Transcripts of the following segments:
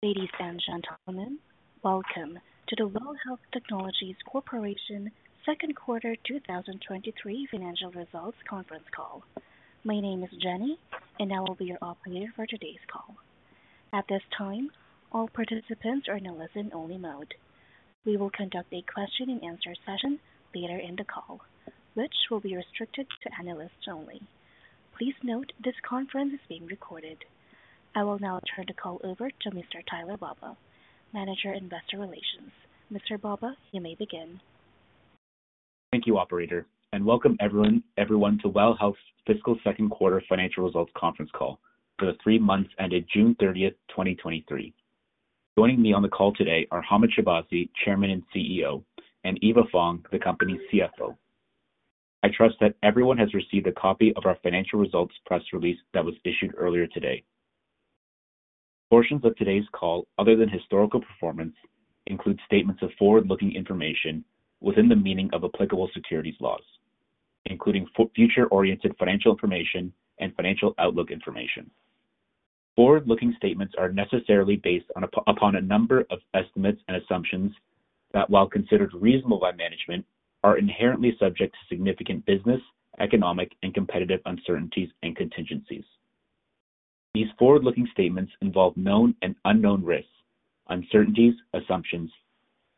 Ladies and gentlemen, welcome to the WELL Health Technologies Corp. Second Quarter 2023 Financial Results Conference Call. My name is Jenny. I will be your operator for today's call. At this time, all participants are in a listen-only mode. We will conduct a question-and-answer session later in the call, which will be restricted to analysts only. Please note this conference is being recorded. I will now turn the call over to Mr. Tyler Baba, Manager, Investor Relations. Mr. Baba, you may begin. Thank you, operator, welcome, everyone, everyone to WELL Health's fiscal second quarter financial results conference call for the three months ended June 30th, 2023. Joining me on the call today are Hamed Shahbazi, Chairman and CEO, and Eva Fong, the company's CFO. I trust that everyone has received a copy of our financial results press release that was issued earlier today. Portions of today's call, other than historical performance, include statements of forward-looking information within the meaning of applicable securities laws, including future-oriented financial information and financial outlook information. Forward-looking statements are necessarily based upon a number of estimates and assumptions that, while considered reasonable by management, are inherently subject to significant business, economic, and competitive uncertainties and contingencies. These forward-looking statements involve known and unknown risks, uncertainties, assumptions,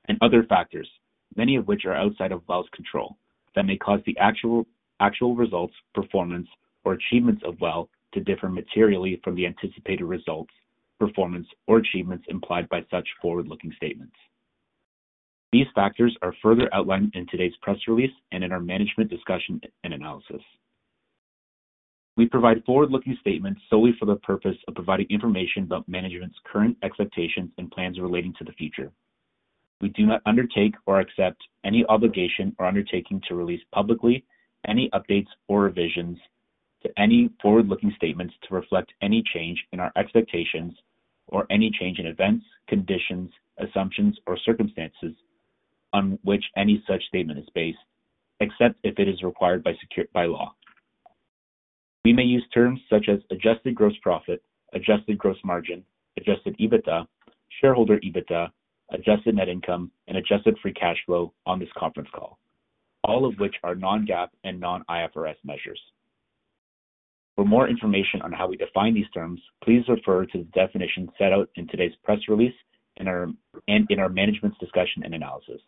and other factors, many of which are outside of WELL's control, that may cause the actual, actual results, performance, or achievements of WELL to differ materially from the anticipated results, performance, or achievements implied by such forward-looking statements. These factors are further outlined in today's press release and in our management discussion and analysis. We provide forward-looking statements solely for the purpose of providing information about management's current expectations and plans relating to the future. We do not undertake or accept any obligation or undertaking to release publicly any updates or revisions to any forward-looking statements to reflect any change in our expectations or any change in events, conditions, assumptions, or circumstances on which any such statement is based, except if it is required by law. We may use terms such as adjusted gross profit, adjusted gross margin, adjusted EBITDA, shareholder EBITDA, adjusted net income, and adjusted free cash flow on this conference call, all of which are non-GAAP and non-IFRS measures. For more information on how we define these terms, please refer to the definition set out in today's press release and in our management's discussion and analysis.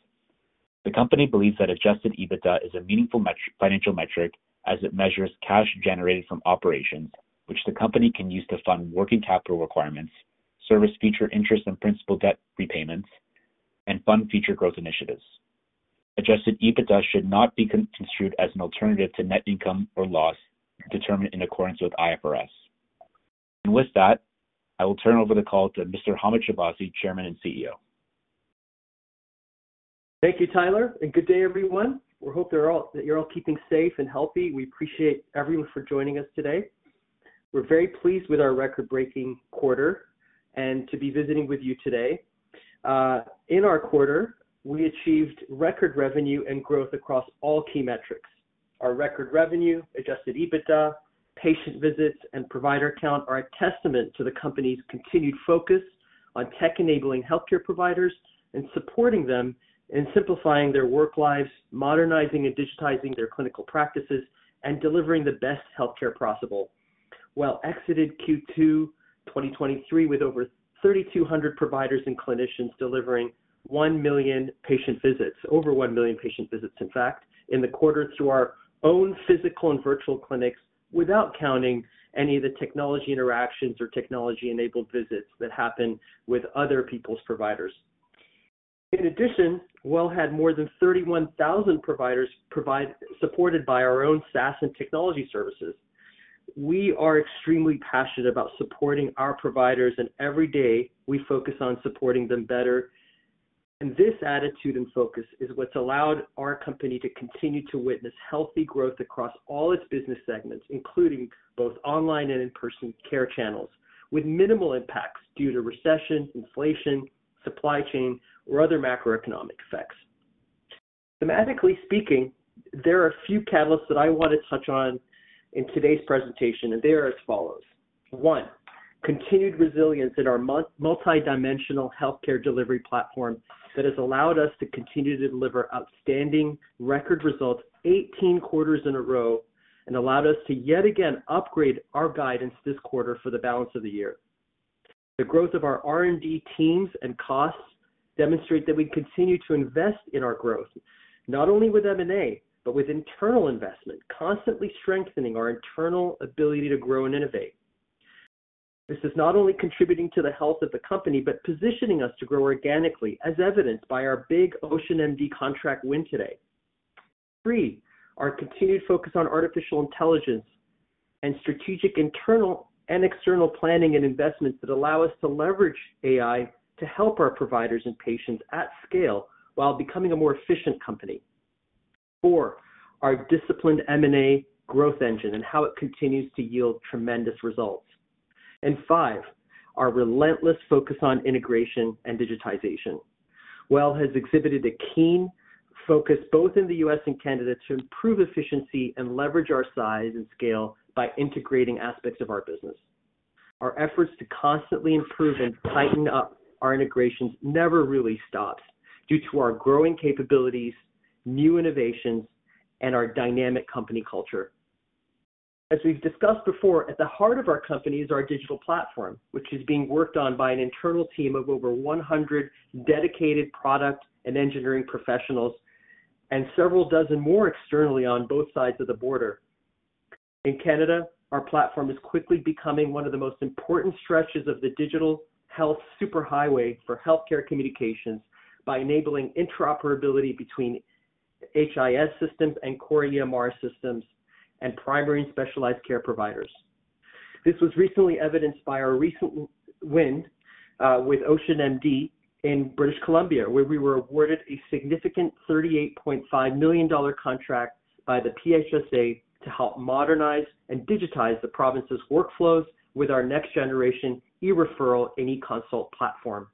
The company believes that adjusted EBITDA is a meaningful metric, financial metric as it measures cash generated from operations, which the company can use to fund working capital requirements, service future interest and principal debt repayments, and fund future growth initiatives. Adjusted EBITDA should not be construed as an alternative to net income or loss determined in accordance with IFRS. With that, I will turn over the call to Mr. Hamed Shahbazi, Chairman and CEO. Thank you, Tyler, and good day, everyone. We hope that you're all keeping safe and healthy. We appreciate everyone for joining us today. We're very pleased with our record-breaking quarter and to be visiting with you today. In our quarter, we achieved record revenue and growth across all key metrics. Our record revenue, adjusted EBITDA, patient visits, and provider count are a testament to the company's continued focus on tech-enabling healthcare providers and supporting them in simplifying their work lives, modernizing and digitizing their clinical practices, and delivering the best healthcare possible. WELL exited Q2, 2023, with over 3,200 providers and clinicians delivering 1 million patient visits, over 1 million patient visits, in fact, in the quarter through our own physical and virtual clinics, without counting any of the technology interactions or technology-enabled visits that happen with other people's providers. In addition, WELL Health had more than 31,000 providers supported by our own SaaS and technology services. We are extremely passionate about supporting our providers, and every day we focus on supporting them better. This attitude and focus is what's allowed our company to continue to witness healthy growth across all its business segments, including both online and in-person care channels, with minimal impacts due to recession, inflation, supply chain, or other macroeconomic effects. Thematically speaking, there are a few catalysts that I want to touch on in today's presentation, they are as follows: one. continued resilience in our multidimensional healthcare delivery platform that has allowed us to continue to deliver outstanding record results 18 quarters in a row and allowed us to yet again upgrade our guidance this quarter for the balance of the year. The growth of our R&D teams and costs demonstrate that we continue to invest in our growth, not only with M&A, but with internal investment, constantly strengthening our internal ability to grow and innovate. This is not only contributing to the health of the company but positioning us to grow organically, as evidenced by our big OceanMD contract win today. Three, our continued focus on artificial intelligence and strategic, internal and external planning and investments that allow us to leverage AI to help our providers and patients at scale while becoming a more efficient company. Four, our disciplined M&A growth engine and how it continues to yield tremendous results. Five, our relentless focus on integration and digitization. WELL has exhibited a keen focus, both in the U.S. and Canada, to improve efficiency and leverage our size and scale by integrating aspects of our business. Our efforts to constantly improve and tighten up our integrations never really stops due to our growing capabilities, new innovations, and our dynamic company culture. As we've discussed before, at the heart of our company is our digital platform, which is being worked on by an internal team of over 100 dedicated product and engineering professionals, and several dozen more externally on both sides of the border. In Canada, our platform is quickly becoming one of the most important stretches of the digital health superhighway for healthcare communications by enabling interoperability between HIS systems and core EMR systems and primary and specialized care providers. This was recently evidenced by our recent win with OceanMD in British Columbia, where we were awarded a significant 38.5 million dollar contract by the PHSA to help modernize and digitize the province's workflows with our next generation eReferral and eConsult platform.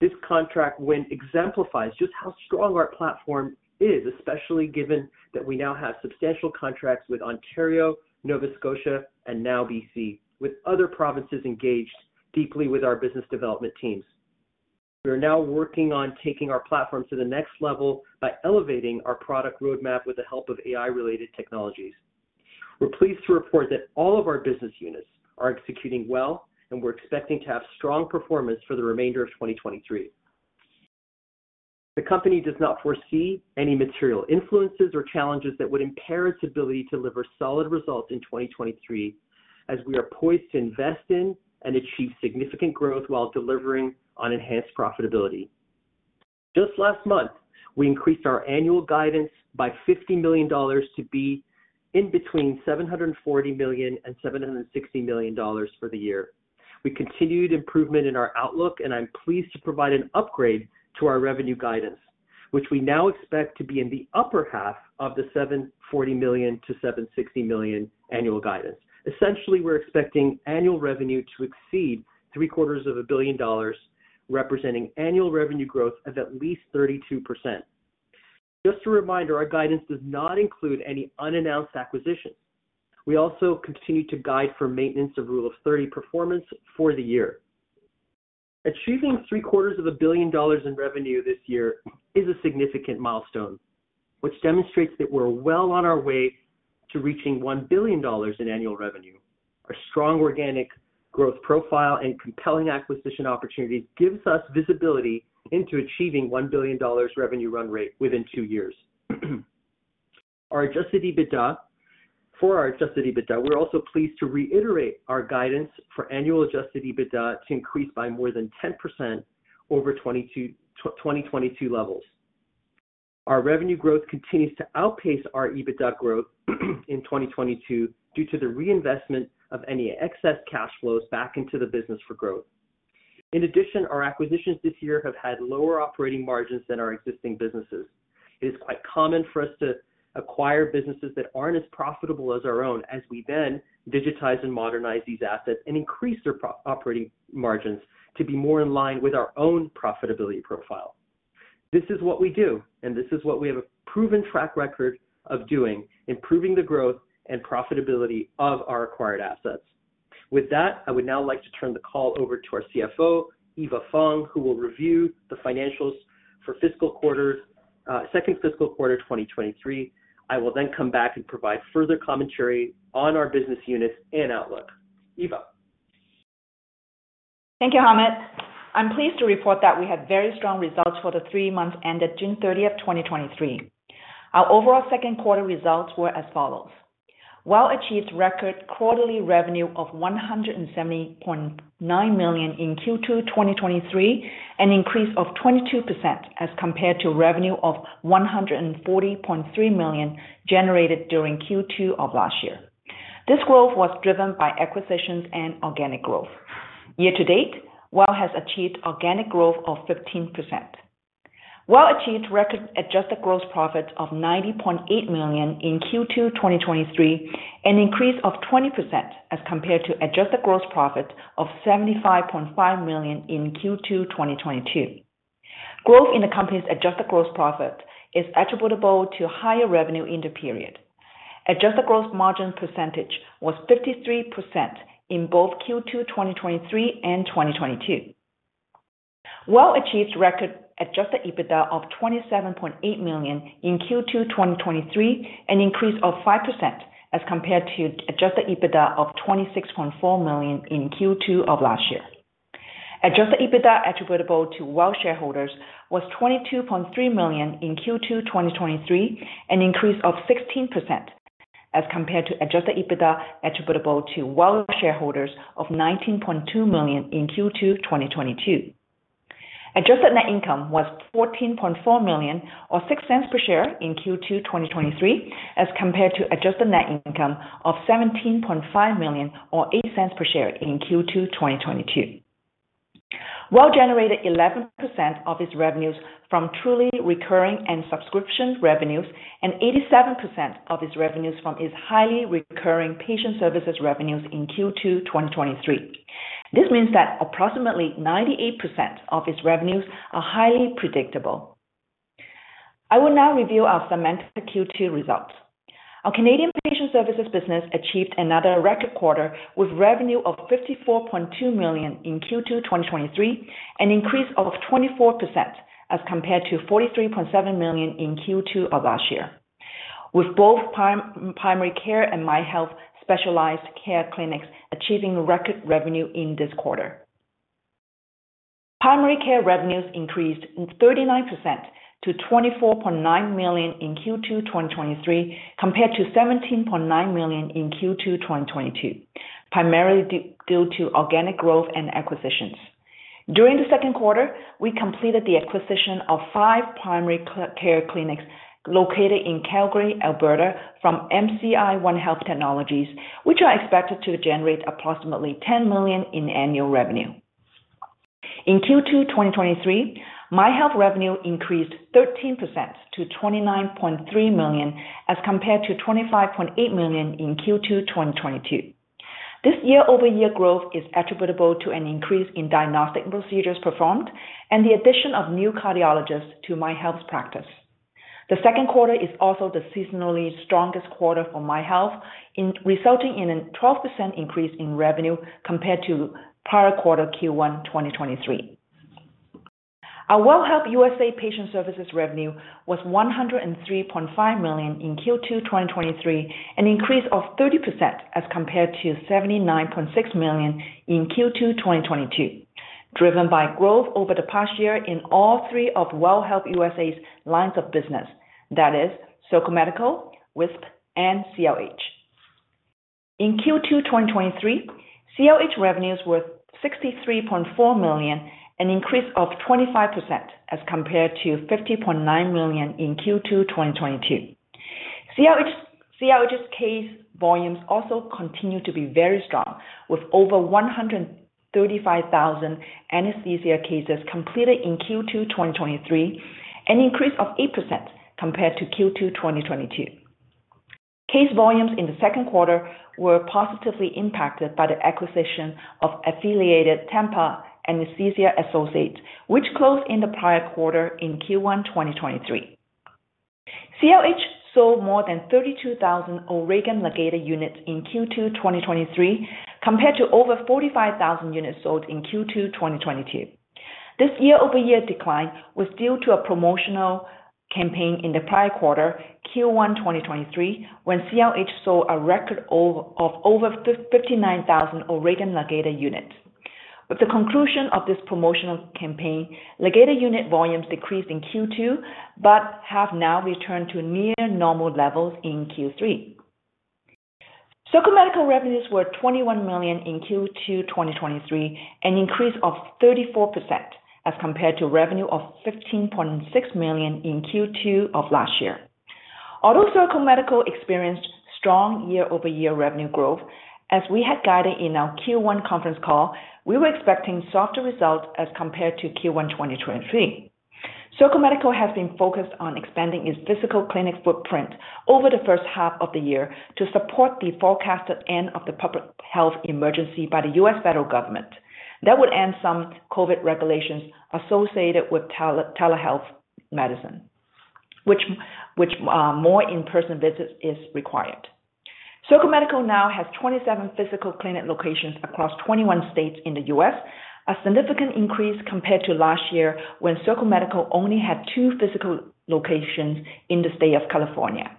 This contract win exemplifies just how strong our platform is, especially given that we now have substantial contracts with Ontario, Nova Scotia and now BC, with other provinces engaged deeply with our business development teams. We are now working on taking our platform to the next level by elevating our product roadmap with the help of AI-related technologies. We're pleased to report that all of our business units are executing well, and we're expecting to have strong performance for the remainder of 2023. The company does not foresee any material influences or challenges that would impair its ability to deliver solid results in 2023, as we are poised to invest in and achieve significant growth while delivering on enhanced profitability. Just last month, we increased our annual guidance by 50 million dollars to be in between 740 million and 760 million dollars for the year. I'm pleased to provide an upgrade to our revenue guidance, which we now expect to be in the upper half of the 740 million-760 million annual guidance. Essentially, we're expecting annual revenue to exceed 750 million dollars, representing annual revenue growth of at least 32%. Just a reminder, our guidance does not include any unannounced acquisitions. We also continue to guide for maintenance of rule of thirty performance for the year. Achieving 750 million dollars in revenue this year is a significant milestone, which demonstrates that we're well on our way to reaching 1 billion dollars in annual revenue. Our strong organic growth profile and compelling acquisition opportunities gives us visibility into achieving 1 billion dollars revenue run rate within two years. For our Adjusted EBITDA, we're also pleased to reiterate our guidance for annual Adjusted EBITDA to increase by more than 10% over 2022 levels. Our revenue growth continues to outpace our EBITDA growth in 2022 due to the reinvestment of any excess cash flows back into the business for growth. In addition, our acquisitions this year have had lower operating margins than our existing businesses. It is quite common for us to acquire businesses that aren't as profitable as our own, as we then digitize and modernize these assets and increase their operating margins to be more in line with our own profitability profile. This is what we do, and this is what we have a proven track record of doing, improving the growth and profitability of our acquired assets. With that, I would now like to turn the call over to our CFO, Eva Fong, who will review the financials for fiscal quarters, 2nd fiscal quarter, 2023. I will then come back and provide further commentary on our business units and outlook. Eva? Thank you, Hamed. I'm pleased to report that we had very strong results for the three months ended June 30th, 2023. Our overall second quarter results were as follows: WELL achieved record quarterly revenue of 170.9 million in Q2 2023, an increase of 22% as compared to revenue of 140.3 million generated during Q2 of last year. This growth was driven by acquisitions and organic growth. Year to date, WELL has achieved organic growth of 15%. WELL achieved record Adjusted Gross Profit of 90.8 million in Q2 2023, an increase of 20% as compared to Adjusted Gross Profit of 75.5 million in Q2 2022. Growth in the company's Adjusted Gross Profit is attributable to higher revenue in the period. Adjusted gross margin percentage was 53% in both Q2, 2023 and 2022. WELL achieved record Adjusted EBITDA of 27.8 million in Q2, 2023, an increase of 5% as compared to Adjusted EBITDA of 26.4 million in Q2 of last year. Adjusted EBITDA attributable to WELL shareholders was 22.3 million in Q2, 2023, an increase of 16% as compared to Adjusted EBITDA attributable to WELL shareholders of 19.2 million in Q2, 2022. Adjusted net income was 14.4 million, or 0.06 per share in Q2, 2023, as compared to Adjusted net income of 17.5 million, or 0.08 per share in Q2, 2022. WELL generated 11% of its revenues... from truly recurring and subscription revenues, 87% of its revenues from its highly recurring patient services revenues in Q2 2023. This means that approximately 98% of its revenues are highly predictable. I will now review our semantic Q2 results. Our Canadian patient services business achieved another record quarter, with revenue of 54.2 million in Q2 2023, an increase of 24% as compared to 43.7 million in Q2 of last year. With both primary care and MyHealth specialized care clinics achieving record revenue in this quarter. Primary care revenues increased in 39% to 24.9 million in Q2 2023, compared to 17.9 million in Q2 2022, primarily due to organic growth and acquisitions. During the second quarter, we completed the acquisition of five primary care clinics located in Calgary, Alberta, from MCI Onehealth Technologies Inc., which are expected to generate approximately 10 million in annual revenue. In Q2 2023, MyHealth revenue increased 13% to 29.3 million, as compared to 25.8 million in Q2 2022. This year-over-year growth is attributable to an increase in diagnostic procedures performed and the addition of new cardiologists to MyHealth's practice. The second quarter is also the seasonally strongest quarter for MyHealth, resulting in a 12% increase in revenue compared to prior quarter Q1 2023. Our WELL Health USA patient services revenue was 103.5 million in Q2 2023, an increase of 30% as compared to 79.6 million in Q2 2022, driven by growth over the past year in all three of WELL Health USA's lines of business, that is, Circle Medical, WISP, and CRH. In Q2 2023, CRH revenues were 63.4 million, an increase of 25%, as compared to 50.9 million in Q2 2022. CRH, CRH's case volumes also continue to be very strong, with over 135,000 anesthesia cases completed in Q2 2023, an increase of 8% compared to Q2 2022. Case volumes in the second quarter were positively impacted by the acquisition of Affiliated Tampa Anesthesia Associates, which closed in the prior quarter in Q1 2023. CRH sold more than 32,000 O'Regan System units in Q2 2023, compared to over 45,000 units sold in Q2 2022. This year-over-year decline was due to a promotional campaign in the prior quarter, Q1 2023, when CRH saw a record of over 59,000 O'Regan System units. With the conclusion of this promotional campaign, Legata unit volumes decreased in Q2, but have now returned to near normal levels in Q3. Circle Medical revenues wereCAD 21 million in Q2 2023, an increase of 34% as compared to revenue of 15.6 million in Q2 of last year. Although Circle Medical experienced strong year-over-year revenue growth, as we had guided in our Q1 conference call, we were expecting softer results as compared to Q1 2023. Circle Medical has been focused on expanding its physical clinic footprint over the first half of the year to support the forecasted end of the public health emergency by the U.S. federal government. That would end some COVID regulations associated with telehealth medicine, which, which, more in-person visits is required. Circle Medical now has 27 physical clinic locations across 21 states in the U.S., a significant increase compared to last year, when Circle Medical only had twi physical locations in the state of California.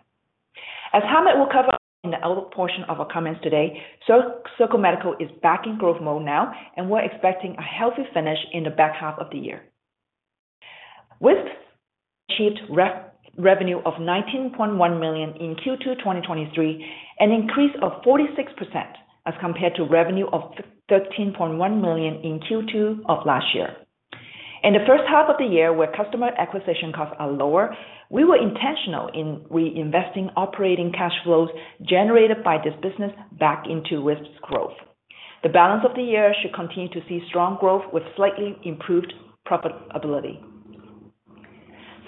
As Hamed will cover in the outlook portion of our comments today, Circle Medical is back in growth mode now, and we're expecting a healthy finish in the back half of the year. WISP achieved revenue of 19.1 million in Q2 2023, an increase of 46% as compared to revenue of 13.1 million in Q2 of last year. In the first half of the year, where customer acquisition costs are lower, we were intentional in reinvesting operating cash flows generated by this business back into WISP's growth. The balance of the year should continue to see strong growth with slightly improved profitability.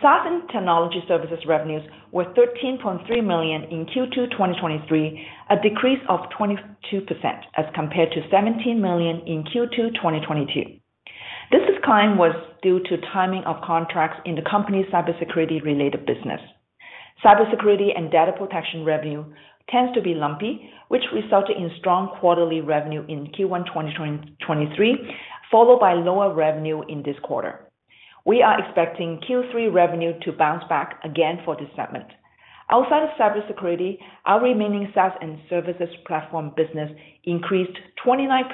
SaaS and technology services revenues were CAD 13.3 million in Q2 2023, a decrease of 22% as compared to CAD 17 million in Q2 2022. This decline was due to timing of contracts in the company's cybersecurity-related business. Cybersecurity and data protection revenue tends to be lumpy, which resulted in strong quarterly revenue in Q1 2023, followed by lower revenue in this quarter. We are expecting Q3 revenue to bounce back again for this segment. Outside of cybersecurity, our remaining SaaS and services platform business increased 29%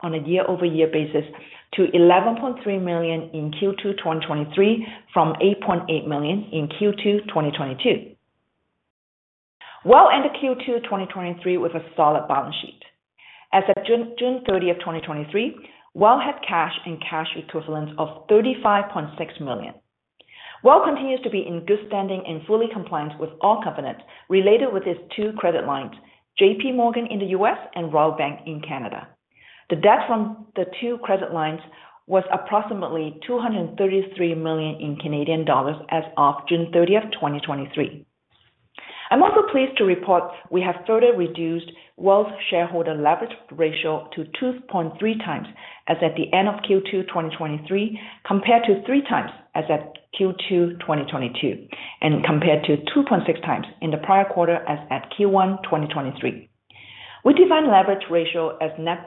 on a year-over-year basis to 11.3 million in Q2 2023, from 8.8 million in Q2 2022. WELL Health ended Q2 2023 with a solid balance sheet. As of June 30, 2023, WELL Health had cash and cash equivalents of 35.6 million. WELL Health continues to be in good standing and fully compliant with all covenants related with its two credit lines, JPMorgan in the U.S. and Royal Bank in Canada. The debt from the two credit lines was approximately 233 million as of June 30, 2023. I'm also pleased to report we have further reduced WELL's shareholder leverage ratio to 2.3x as at the end of Q2 2023, compared to 3x as at Q2 2022, and compared to 2.6x in the prior quarter as at Q1 2023. We define leverage ratio as net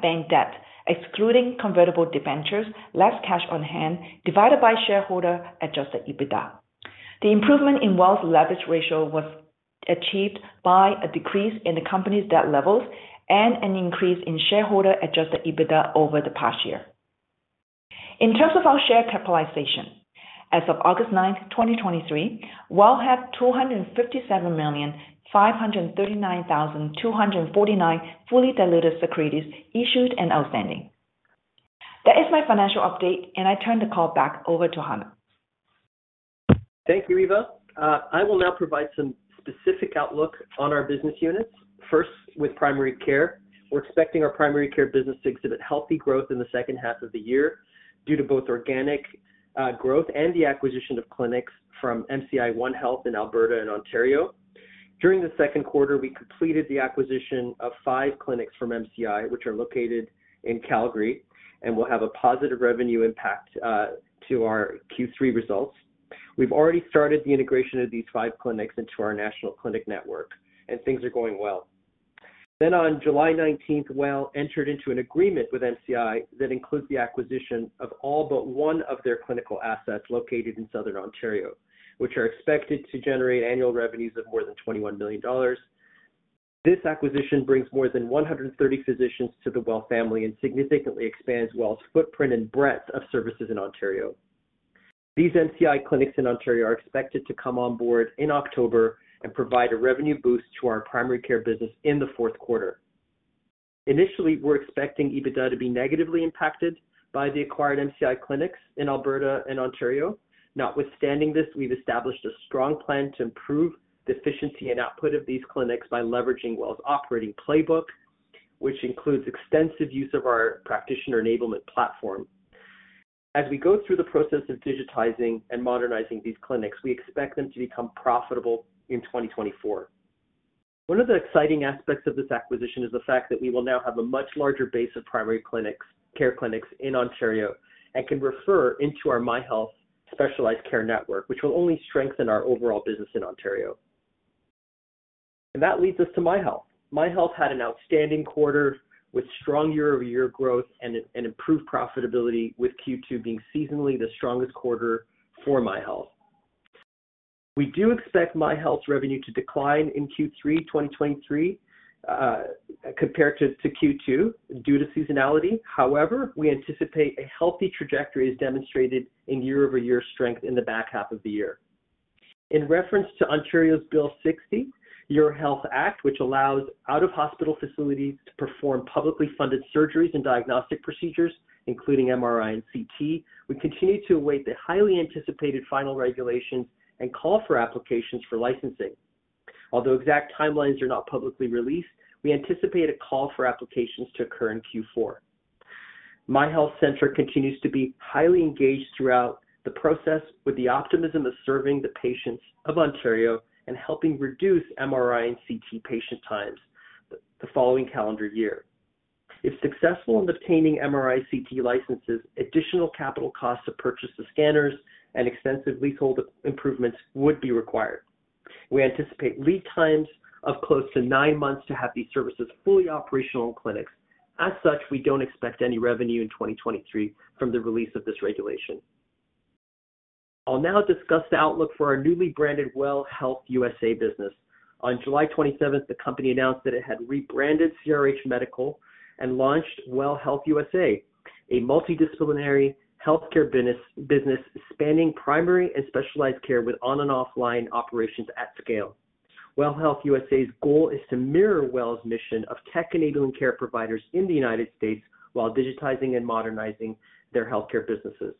bank debt, excluding convertible debentures, less cash on hand, divided by shareholder adjusted EBITDA. The improvement in WELL's leverage ratio was achieved by a decrease in the company's debt levels and an increase in shareholder adjusted EBITDA over the past year. In terms of our share capitalization, as of August 9, 2023, WELL had 257,539,249 fully diluted securities issued and outstanding. That is my financial update, and I turn the call back over to Hamed. Thank you, Eva. I will now provide some specific outlook on our business units. First, with primary care. We're expecting our primary care business to exhibit healthy growth in the second half of the year due to both organic growth and the acquisition of clinics from MCI Onehealth in Alberta and Ontario. During the second quarter, we completed the acquisition of five clinics from MCI, which are located in Calgary, and will have a positive revenue impact to our Q3 results. On July 19th, WELL Health entered into an agreement with MCI that includes the acquisition of all but one of their clinical assets located in Southern Ontario, which are expected to generate annual revenues of more than 21 million dollars. This acquisition brings more than 130 physicians to the WELL Health family and significantly expands WELL Health's footprint and breadth of services in Ontario. These MCI clinics in Ontario are expected to come on board in October and provide a revenue boost to our primary care business in the fourth quarter. Initially, we're expecting EBITDA to be negatively impacted by the acquired MCI clinics in Alberta and Ontario. Notwithstanding this, we've established a strong plan to improve the efficiency and output of these clinics by leveraging WELL Health's operating playbook, which includes extensive use of our Practitioner Enablement Platform. As we go through the process of digitizing and modernizing these clinics, we expect them to become profitable in 2024. One of the exciting aspects of this acquisition is the fact that we will now have a much larger base of primary clinics, care clinics in Ontario and can refer into our MyHealth specialized care network, which will only strengthen our overall business in Ontario. That leads us to MyHealth. MyHealth had an outstanding quarter with strong year-over-year growth and improved profitability, with Q2 being seasonally the strongest quarter for MyHealth. We do expect MyHealth's revenue to decline in Q3 2023 compared to Q2 due to seasonality. However, we anticipate a healthy trajectory as demonstrated in year-over-year strength in the back half of the year. In reference to Ontario's Bill 60, Your Health Act, which allows out-of-hospital facilities to perform publicly funded surgeries and diagnostic procedures, including MRI and CT, we continue to await the highly anticipated final regulations and call for applications for licensing. Although exact timelines are not publicly released, we anticipate a call for applications to occur in Q4. MyHealth Centre continues to be highly engaged throughout the process with the optimism of serving the patients of Ontario and helping reduce MRI and CT patient times the following calendar year. If successful in obtaining MRI, CT licenses, additional capital costs to purchase the scanners and extensive leasehold improvements would be required. We anticipate lead times of close to nine months to have these services fully operational in clinics. As such, we don't expect any revenue in 2023 from the release of this regulation. I'll now discuss the outlook for our newly branded WELL Health USA business. On July 27th, the company announced that it had rebranded CRH Medical and launched WELL Health USA, a multidisciplinary healthcare business spanning primary and specialized care with on and offline operations at scale. WELL Health USA's goal is to mirror WELL's mission of tech-enabling care providers in the United States while digitizing and modernizing their healthcare businesses.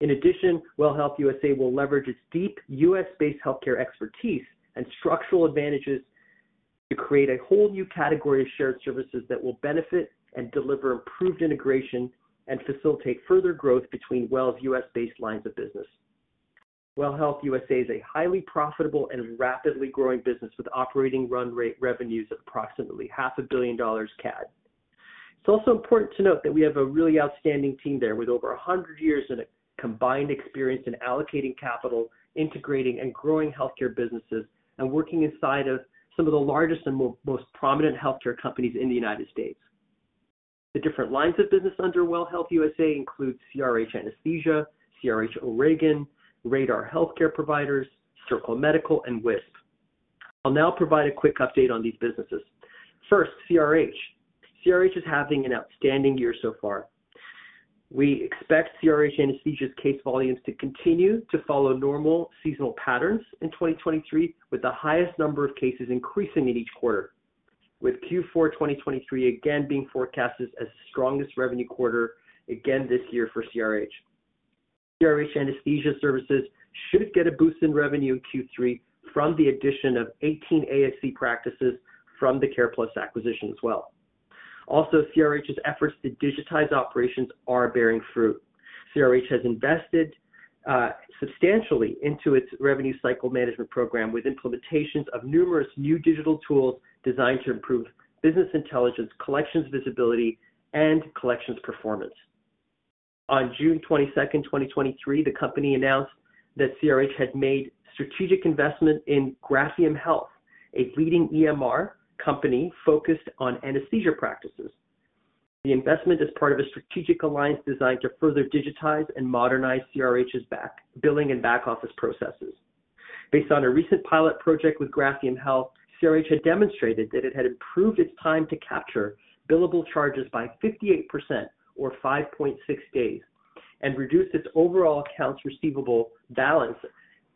In addition, WELL Health USA will leverage its deep U.S.-based healthcare expertise and structural advantages to create a whole new category of shared services that will benefit and deliver improved integration and facilitate further growth between WELL's U.S.-based lines of business. WELL Health USA is a highly profitable and rapidly growing business, with operating run rate revenues of approximately 500 million dollars. It's also important to note that we have a really outstanding team there, with over 100 years of combined experience in allocating capital, integrating and growing healthcare businesses, and working inside of some of the largest and most prominent healthcare companies in the United States. The different lines of business under WELL Health USA include CRH Anesthesia, CRH O'Regan, Radar Healthcare Providers, Circle Medical, and WISP. I'll now provide a quick update on these businesses. First, CRH. CRH is having an outstanding year so far. We expect CRH Anesthesia's case volumes to continue to follow normal seasonal patterns in 2023, with the highest number of cases increasing in each quarter, with Q4, 2023 again being forecasted as the strongest revenue quarter again this year for CRH. CRH Anesthesia Services should get a boost in revenue in Q3 from the addition of 18 ASC practices from the CarePlus acquisition as well. Also, CRH's efforts to digitize operations are bearing fruit. CRH has invested substantially into its revenue cycle management program, with implementations of numerous new digital tools designed to improve business intelligence, collections visibility, and collections performance. On June 22nd, 2023, the company announced that CRH had made strategic investment in Graphium Health, a leading EMR company focused on anesthesia practices. The investment is part of a strategic alliance designed to further digitize and modernize CRH's back, billing and back-office processes. Based on a recent pilot project with Graphium Health, CRH had demonstrated that it had improved its time to capture billable charges by 58% or 5.6 days, and reduced its overall accounts receivable balance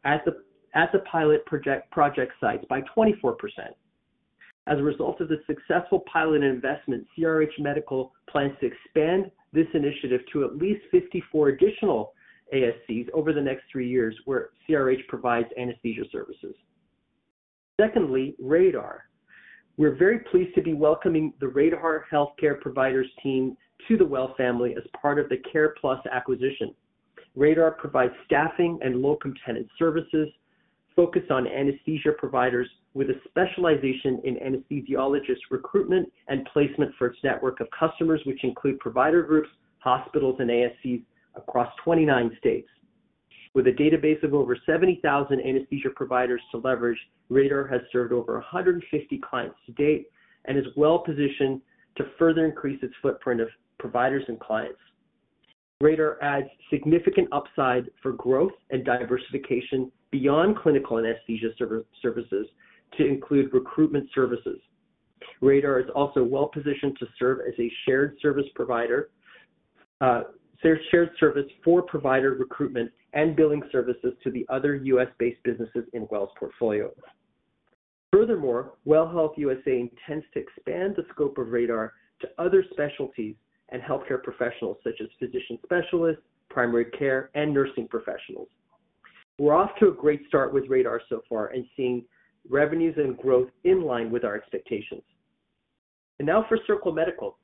at the pilot project site by 24%. As a result of the successful pilot and investment, CRH Medical plans to expand this initiative to at least 54 additional ASCs over the next three years, where CRH provides anesthesia services. Secondly, Radar. We're very pleased to be welcoming the Radar Healthcare Providers team to the WELL family as part of the Care Plus acquisition. Radar provides staffing and locum tenens services focused on anesthesia providers, with a specialization in anesthesiologist recruitment and placement for its network of customers, which include provider groups, hospitals, and ASCs across 29 states. With a database of over 70,000 anesthesia providers to leverage, Radar has served over 150 clients to date and is well positioned to further increase its footprint of providers and clients. Radar adds significant upside for growth and diversification beyond clinical anesthesia services to include recruitment services. Radar is also well positioned to serve as a shared service provider, shared service for provider recruitment and billing services to the other U.S.-based businesses in WELL's portfolio. WELL Health USA intends to expand the scope of Radar to other specialties and healthcare professionals, such as physician specialists, primary care, and nursing professionals. We're off to a great start with Radar so far and seeing revenues and growth in line with our expectations. Now for Circle Medical.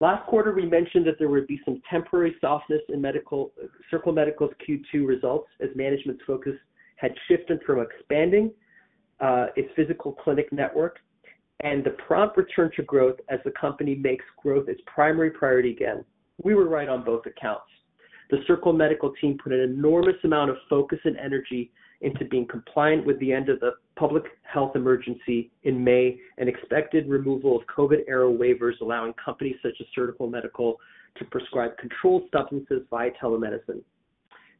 Last quarter, we mentioned that there would be some temporary softness in medical, Circle Medical's Q2 results, as management's focus had shifted from expanding its physical clinic network and the prompt return to growth as the company makes growth its primary priority again. We were right on both accounts. The Circle Medical team put an enormous amount of focus and energy into being compliant with the end of the Public Health Emergency in May, and expected removal of COVID era waivers, allowing companies such as Circle Medical to prescribe controlled substances via telemedicine.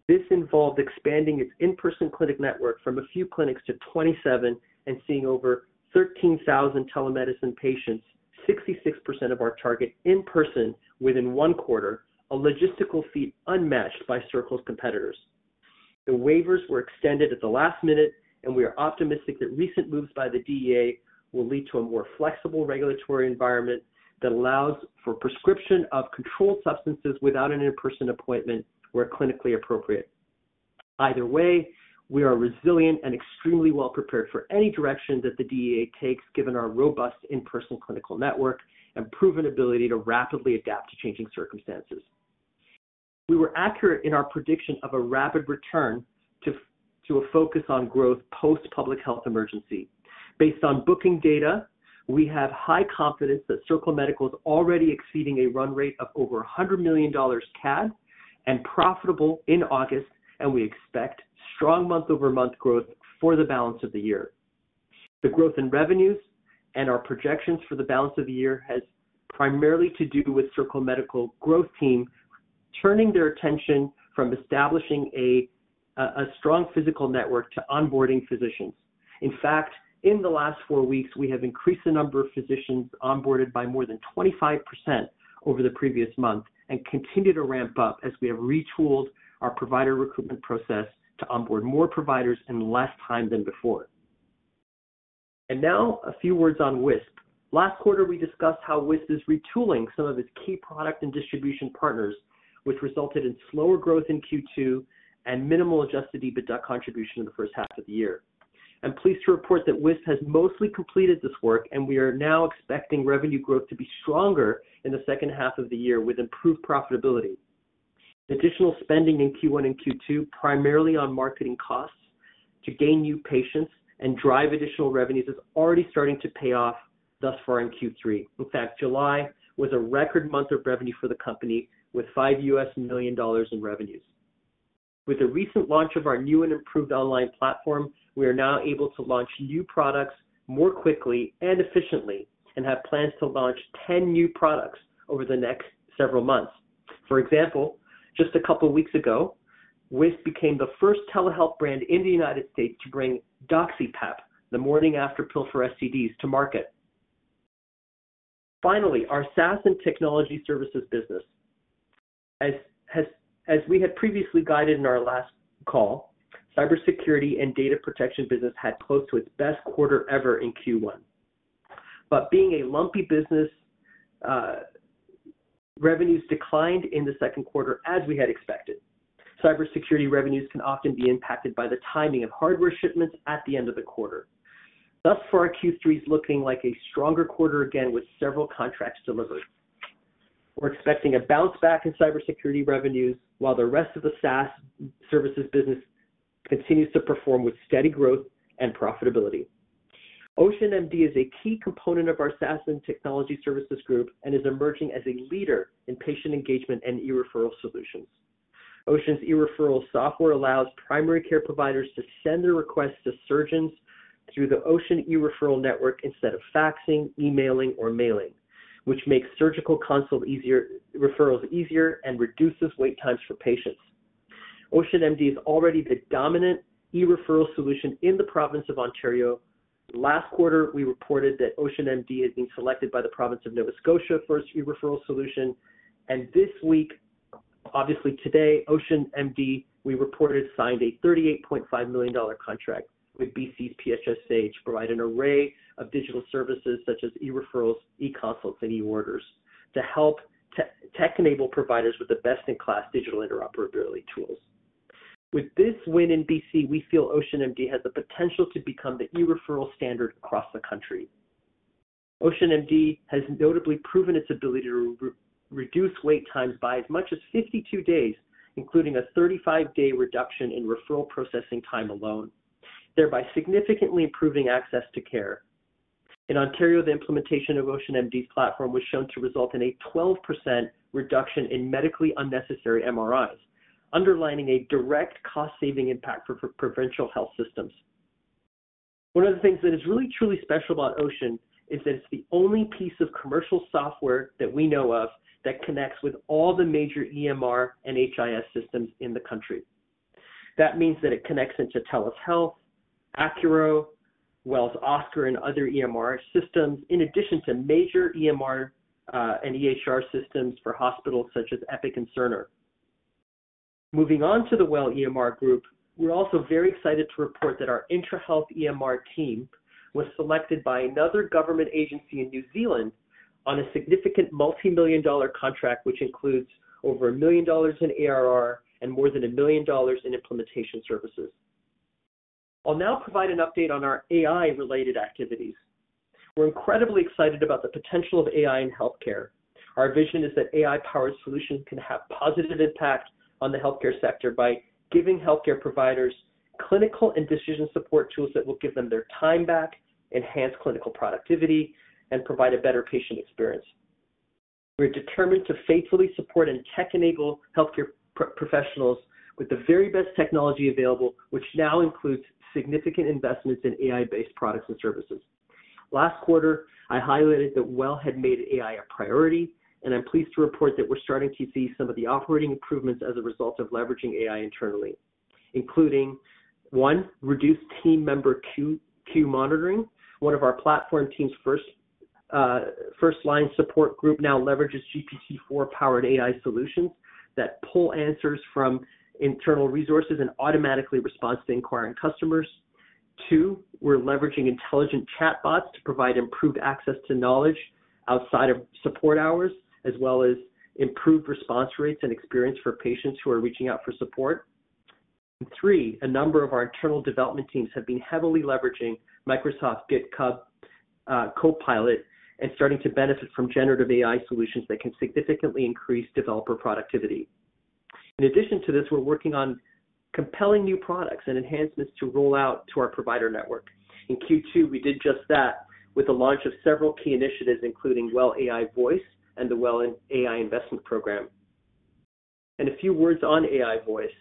This involved expanding its in-person clinic network from a few clinics to 27 and seeing over 13,000 telemedicine patients, 66% of our target in person within one quarter, a logistical feat unmatched by Circle's competitors. The waivers were extended at the last minute, and we are optimistic that recent moves by the DEA will lead to a more flexible regulatory environment that allows for prescription of controlled substances without an in-person appointment, where clinically appropriate. Either way, we are resilient and extremely well prepared for any direction that the DEA takes, given our robust in-person clinical network and proven ability to rapidly adapt to changing circumstances. We were accurate in our prediction of a rapid return to a focus on growth post-public health emergency. Based on booking data, we have high confidence that Circle Medical is already exceeding a run rate of over 100 million CAD, and profitable in August, and we expect strong month-over-month growth for the balance of the year. The growth in revenues and our projections for the balance of the year has primarily to do with Circle Medical growth team, turning their attention from establishing a strong physical network to onboarding physicians. In fact, in the last four weeks, we have increased the number of physicians onboarded by more than 25% over the previous month, and continue to ramp up as we have retooled our provider recruitment process to onboard more providers in less time than before. Now a few words on WISP. Last quarter, we discussed how WISP is retooling some of its key product and distribution partners, which resulted in slower growth in Q2 and minimal Adjusted EBITDA contribution in the first half of the year. I'm pleased to report that WISP has mostly completed this work, and we are now expecting revenue growth to be stronger in the second half of the year with improved profitability. Additional spending in Q1 and Q2, primarily on marketing costs to gain new patients and drive additional revenues, is already starting to pay off thus far in Q3. In fact, July was a record month of revenue for the company, with $5 million in revenues. With the recent launch of our new and improved online platform, we are now able to launch new products more quickly and efficiently and have plans to launch 10 new products over the next several months. For example, just a couple weeks ago, WISP became the first telehealth brand in the United States to bring DoxyPEP, the morning-after pill for STDs, to market. Finally, our SaaS and technology services business. As we had previously guided in our last call, cybersecurity and data protection business had close to its best quarter ever in Q1. Being a lumpy business, Revenues declined in the second quarter, as we had expected. Cybersecurity revenues can often be impacted by the timing of hardware shipments at the end of the quarter. Thus, far our Q3 is looking like a stronger quarter again, with several contracts delivered. We're expecting a bounce back in cybersecurity revenues, while the rest of the SaaS services business continues to perform with steady growth and profitability. OceanMD is a key component of our SaaS and technology services group and is emerging as a leader in patient engagement and eReferral solutions. Ocean's eReferral software allows primary care providers to send their requests to surgeons through the Ocean eReferral network instead of faxing, emailing, or mailing, which makes surgical consult referrals easier and reduces wait times for patients. OceanMD is already the dominant eReferral solution in the province of Ontario. Last quarter, we reported that OceanMD has been selected by the province of Nova Scotia for its eReferral solution, and this week, obviously today, OceanMD, we reported, signed a 38.5 million dollar contract with BC's PHSA to provide an array of digital services such as eReferrals, eConsults, and eOrders, to help tech-enable providers with the best-in-class digital interoperability tools. With this win in BC, we feel Ocean MD has the potential to become the e-referral standard across the country. Ocean MD has notably proven its ability to reduce wait times by as much as 52 days, including a 35 day reduction in referral processing time alone, thereby significantly improving access to care. In Ontario, the implementation of Ocean MD's platform was shown to result in a 12% reduction in medically unnecessary MRIs, underlining a direct cost-saving impact for provincial health systems. One of the things that is really truly special about Ocean is that it's the only piece of commercial software that we know of that connects with all the major EMR and HIS systems in the country. That means that it connects into TELUS Health, Accuro, WELL's OSCAR, and other EMR systems, in addition to major EMR and EHR systems for hospitals such as Epic and Cerner. Moving on to the WELL EMR Group, we're also very excited to report that our Intrahealth EMR team was selected by another government agency in New Zealand on a significant multimillion-dollar contract, which includes over 1 million dollars in ARR and more than 1 million dollars in implementation services. I'll now provide an update on our AI-related activities. We're incredibly excited about the potential of AI in healthcare. Our vision is that AI-powered solutions can have positive impact on the healthcare sector by giving healthcare providers clinical and decision support tools that will give them their time back, enhance clinical productivity, and provide a better patient experience. We're determined to faithfully support and tech-enable healthcare professionals with the very best technology available, which now includes significant investments in AI-based products and services. Last quarter, I highlighted that WELL Health had made AI a priority, and I'm pleased to report that we're starting to see some of the operating improvements as a result of leveraging AI internally, including, one, reduced team member queue, queue monitoring. One of our platform team's first, first-line support group now leverages GPT-4-powered AI solutions that pull answers from internal resources and automatically responds to inquiring customers. Two, we're leveraging intelligent chatbots to provide improved access to knowledge outside of support hours, as well as improved response rates and experience for patients who are reaching out for support. Three, a number of our internal development teams have been heavily leveraging Microsoft GitHub, Copilot, and starting to benefit from generative AI solutions that can significantly increase developer productivity. In addition to this, we're working on compelling new products and enhancements to roll out to our provider network. In Q2, we did just that with the launch of several key initiatives, including WELL AI Voice and the WELL AI Investment Program. A few words on AI Voice.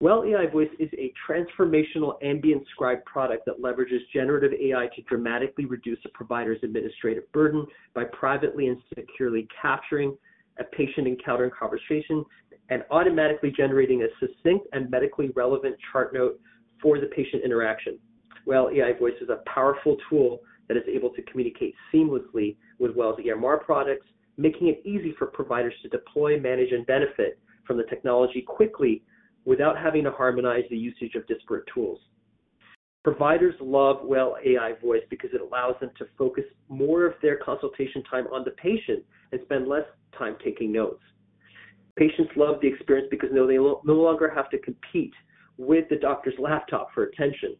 WELL AI Voice is a transformational ambient scribe product that leverages generative AI to dramatically reduce a provider's administrative burden by privately and securely capturing a patient encounter and conversation, and automatically generating a succinct and medically relevant chart note for the patient interaction. WELL AI Voice is a powerful tool that is able to communicate seamlessly with WELL's EMR products, making it easy for providers to deploy, manage, and benefit from the technology quickly without having to harmonize the usage of disparate tools. Providers love WELL AI Voice because it allows them to focus more of their consultation time on the patient and spend less time taking notes. Patients love the experience because they no longer have to compete with the doctor's laptop for attention.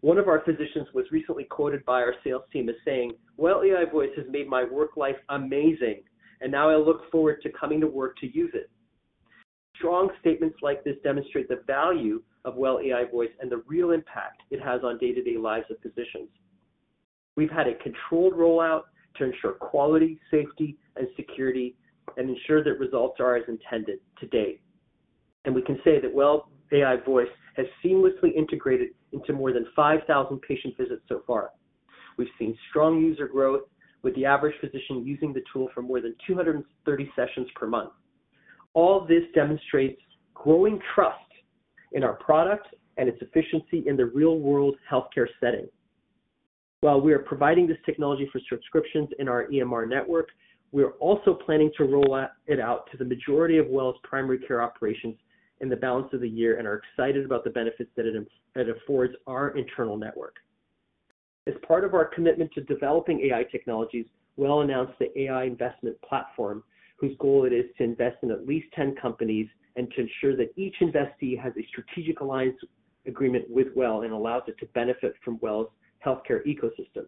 One of our physicians was recently quoted by our sales team as saying, "WELL AI Voice has made my work life amazing, and now I look forward to coming to work to use it." Strong statements like this demonstrate the value of WELL AI Voice and the real impact it has on day-to-day lives of physicians. We've had a controlled rollout to ensure quality, safety, and security, and ensure that results are as intended to date. We can say that WELL AI Voice has seamlessly integrated into more than 5,000 patient visits so far. We've seen strong user growth, with the average physician using the tool for more than 230 sessions per month. All this demonstrates growing trust in our product and its efficiency in the real-world healthcare setting. While we are providing this technology for subscriptions in our EMR network, we are also planning to roll out it out to the majority of WELL's primary care operations in the balance of the year and are excited about the benefits that it, that it affords our internal network. As part of our commitment to developing AI technologies, WELL announced the AI investment platform, whose goal it is to invest in at least 10 companies and to ensure that each investee has a strategic alliance agreement with WELL and allows it to benefit from WELL's healthcare ecosystem.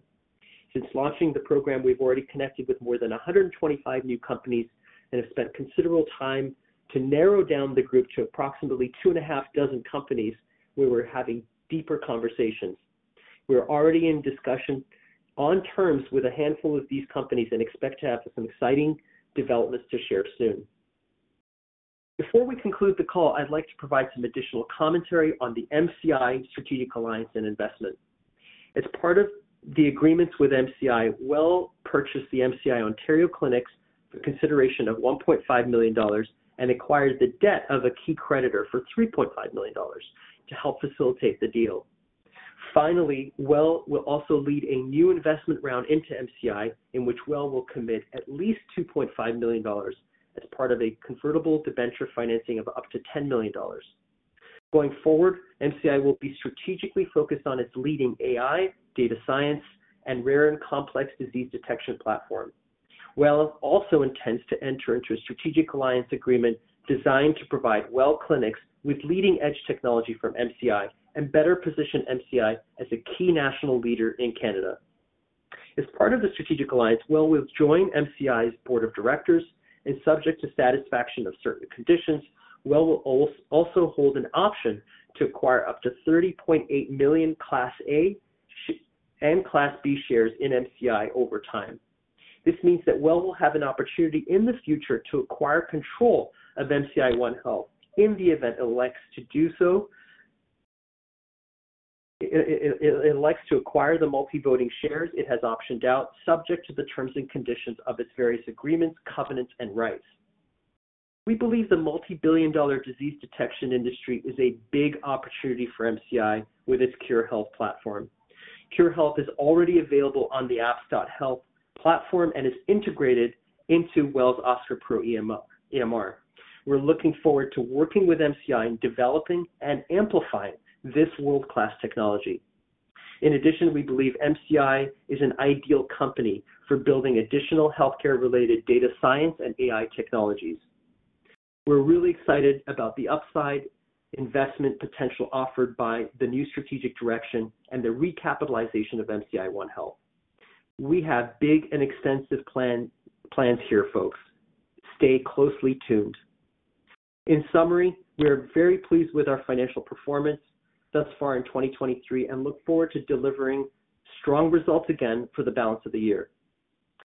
Since launching the program, we've already connected with more than 125 new companies and have spent considerable time to narrow down the group to approximately 30 companies, where we're having deeper conversations. We are already in discussion on terms with a handful of these companies and expect to have some exciting developments to share soon. Before we conclude the call, I'd like to provide some additional commentary on the MCI strategic alliance and investment. As part of the agreements with MCI, WELL purchased the MCI Ontario clinics for consideration of 1.5 million dollars and acquired the debt of a key creditor for 3.5 million dollars to help facilitate the deal. Finally, WELL will also lead a new investment round into MCI, in which WELL will commit at least 2.5 million dollars as part of a convertible debenture financing of up to 10 million dollars. Going forward, MCI will be strategically focused on its leading AI, data science, and rare and complex disease detection platform. Well also intends to enter into a strategic alliance agreement designed to provide Well clinics with leading-edge technology from MCI and better position MCI as a key national leader in Canada. As part of the strategic alliance, Well will join MCI's board of directors, and subject to satisfaction of certain conditions, Well will also hold an option to acquire up to 30.8 million Class A and Class B shares in MCI over time. This means that Well will have an opportunity in the future to acquire control of MCI OneHealth in the event it elects to do so. It elects to acquire the multi-voting shares it has optioned out, subject to the terms and conditions of its various agreements, covenants, and rights. We believe the multi-billion dollar disease detection industry is a big opportunity for MCI with its CureHealth platform. CureHealth is already available on the apps.health platform and is integrated into WELL's OSCAR Pro EMR. We're looking forward to working with MCI in developing and amplifying this world-class technology. In addition, we believe MCI is an ideal company for building additional healthcare-related data science and AI technologies. We're really excited about the upside investment potential offered by the new strategic direction and the recapitalization of MCI OneHealth. We have big and extensive plan, plans here, folks. Stay closely tuned. In summary, we are very pleased with our financial performance thus far in 2023 and look forward to delivering strong results again for the balance of the year.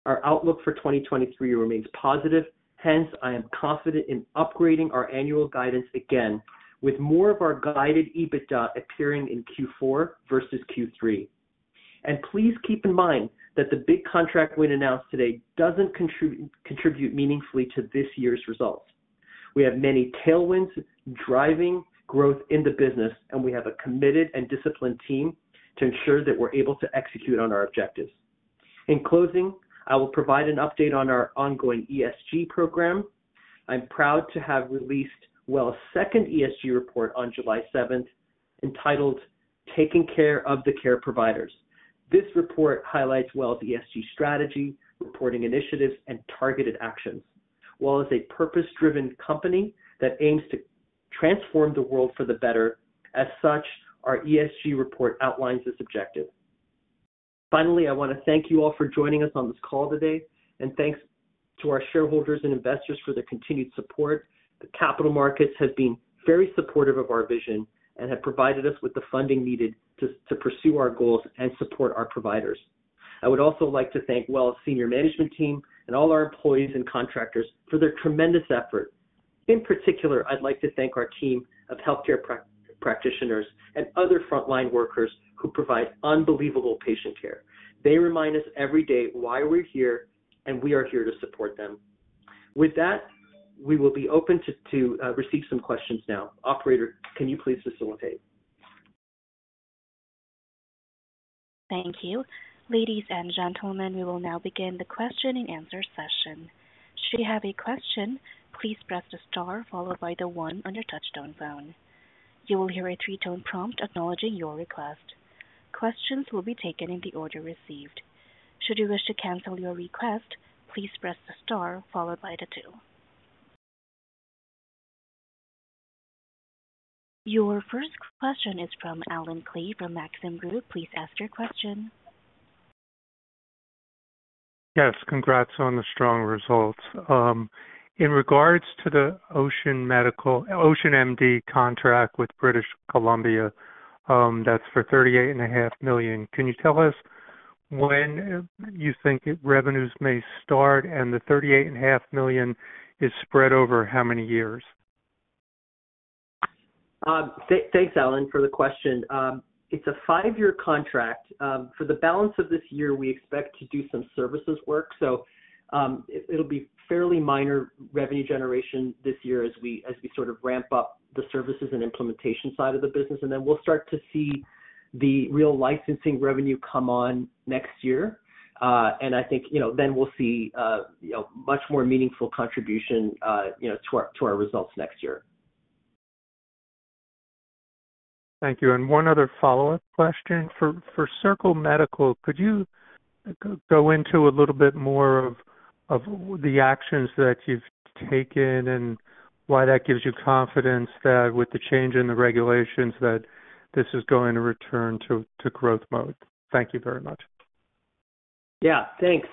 Our outlook for 2023 remains positive. Hence, I am confident in upgrading our annual guidance again, with more of our guided EBITDA appearing in Q4 versus Q3. Please keep in mind that the big contract we'd announced today doesn't contribute meaningfully to this year's results. We have many tailwinds driving growth in the business, and we have a committed and disciplined team to ensure that we're able to execute on our objectives. In closing, I will provide an update on our ongoing ESG program. I'm proud to have released WELL's second ESG report on July seventh, entitled Taking Care of The Care Providers. This report highlights WELL's ESG strategy, reporting initiatives, and targeted actions. WELL is a purpose-driven company that aims to transform the world for the better. As such, our ESG report outlines this objective. Finally, I want to thank you all for joining us on this call today, and thanks to our shareholders and investors for their continued support. The capital markets have been very supportive of our vision and have provided us with the funding needed to pursue our goals and support our providers. I would also like to thank WELL's senior management team and all our employees and contractors for their tremendous effort. In particular, I'd like to thank our team of healthcare practitioners and other frontline workers who provide unbelievable patient care. They remind us every day why we're here, and we are here to support them. With that, we will be open to receive some questions now. Operator, can you please facilitate? Thank you. Ladies and gentlemen, we will now begin the question and answer session. Should you have a question, please press the star followed by the one on your touchtone phone. You will hear a three-tone prompt acknowledging your request. Questions will be taken in the order received. Should you wish to cancel your request, please press the star followed by the two. Your first question is from Allen Klee from Maxim Group. Please ask your question. Yes, congrats on the strong results. In regards to the OceanMD contract with British Columbia, that's for 38.5 million. Can you tell us when you think revenues may start and the 38.5 million is spread over how many years? Thanks, Allen, for the question. It's a five-year contract. For the balance of this year, we expect to do some services work, so, it'll be fairly minor revenue generation this year as we, as we sort of ramp up the services and implementation side of the business. Then we'll start to see the real licensing revenue come on next year. I think, you know, then we'll see, you know, much more meaningful contribution, you know, to our, to our results next year. Thank you. One other follow-up question. For Circle Medical, could you go into a little bit more of the actions that you've taken and why that gives you confidence that with the change in the regulations, that this is going to return to growth mode? Thank you very much. Yeah, thanks.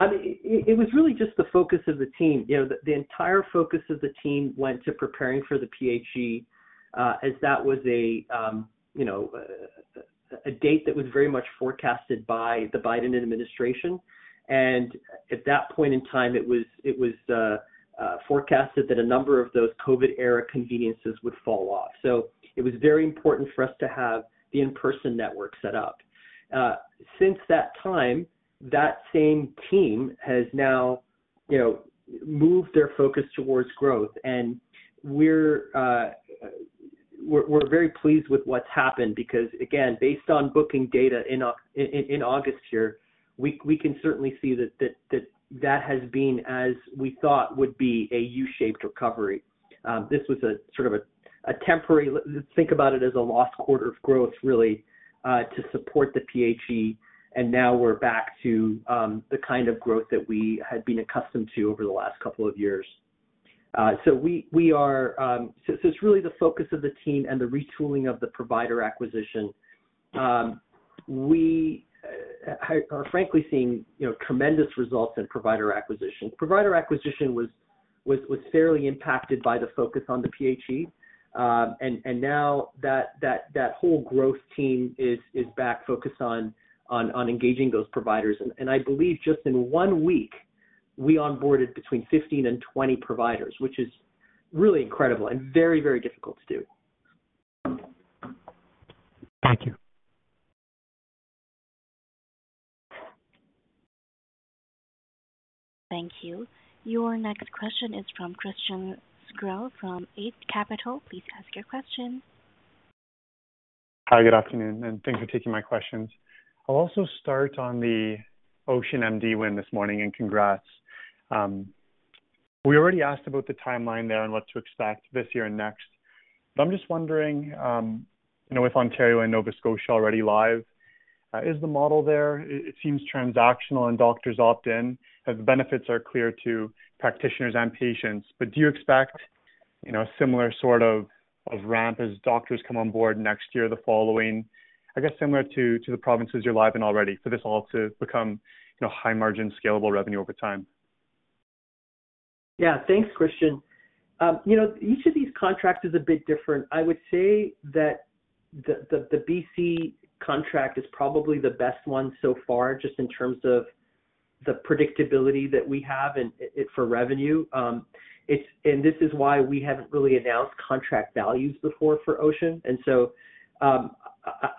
I mean, it was really just the focus of the team. You know, the entire focus of the team went to preparing for the PHE, as that was a, you know, a date that was very much forecasted by the Biden administration. At that point in time, it was forecasted that a number of those COVID-era conveniences would fall off. It was very important for us to have the in-person network set up. Since that time, that same team has now, you know, moved their focus towards growth. We're very pleased with what's happened because, again, based on booking data in August here, we can certainly see that has been, as we thought would be, a U-shaped recovery. This was a sort of a, a temporary. Let's think about it as a lost quarter of growth, really, to support the PHE, and now we're back to the kind of growth that we had been accustomed to over the last couple of years. We, we are. It's really the focus of the team and the retooling of the provider acquisition. We are frankly seeing, you know, tremendous results in provider acquisition. Provider acquisition was, was, was fairly impacted by the focus on the PHE. Now that, that, that whole growth team is, is back focused on, on, on engaging those providers. I believe just in one week, we onboarded between 15 and 20 providers, which is really incredible and very, very difficult to do. Thank you. Thank you. Your next question is from Christian Sgro from Eight Capital. Please ask your question. Hi, good afternoon, and thanks for taking my questions. I'll also start on the OceanMD win this morning, and congrats. We already asked about the timeline there and what to expect this year and next. I'm just wondering, you know, with Ontario and Nova Scotia already live, is the model there? It, it seems transactional and doctors opt in, as the benefits are clear to practitioners and patients. Do you expect, you know, a similar sort of, of ramp as doctors come on board next year or the following, I guess, similar to, to the provinces you're live in already, for this all to become, you know, high-margin, scalable revenue over time? Yeah. Thanks, Christian. you know, each of these contracts is a bit different. I would say that the, the, the BC contract is probably the best one so far, just in terms of the predictability that we have and, and for revenue. This is why we haven't really announced contract values before for Ocean. I,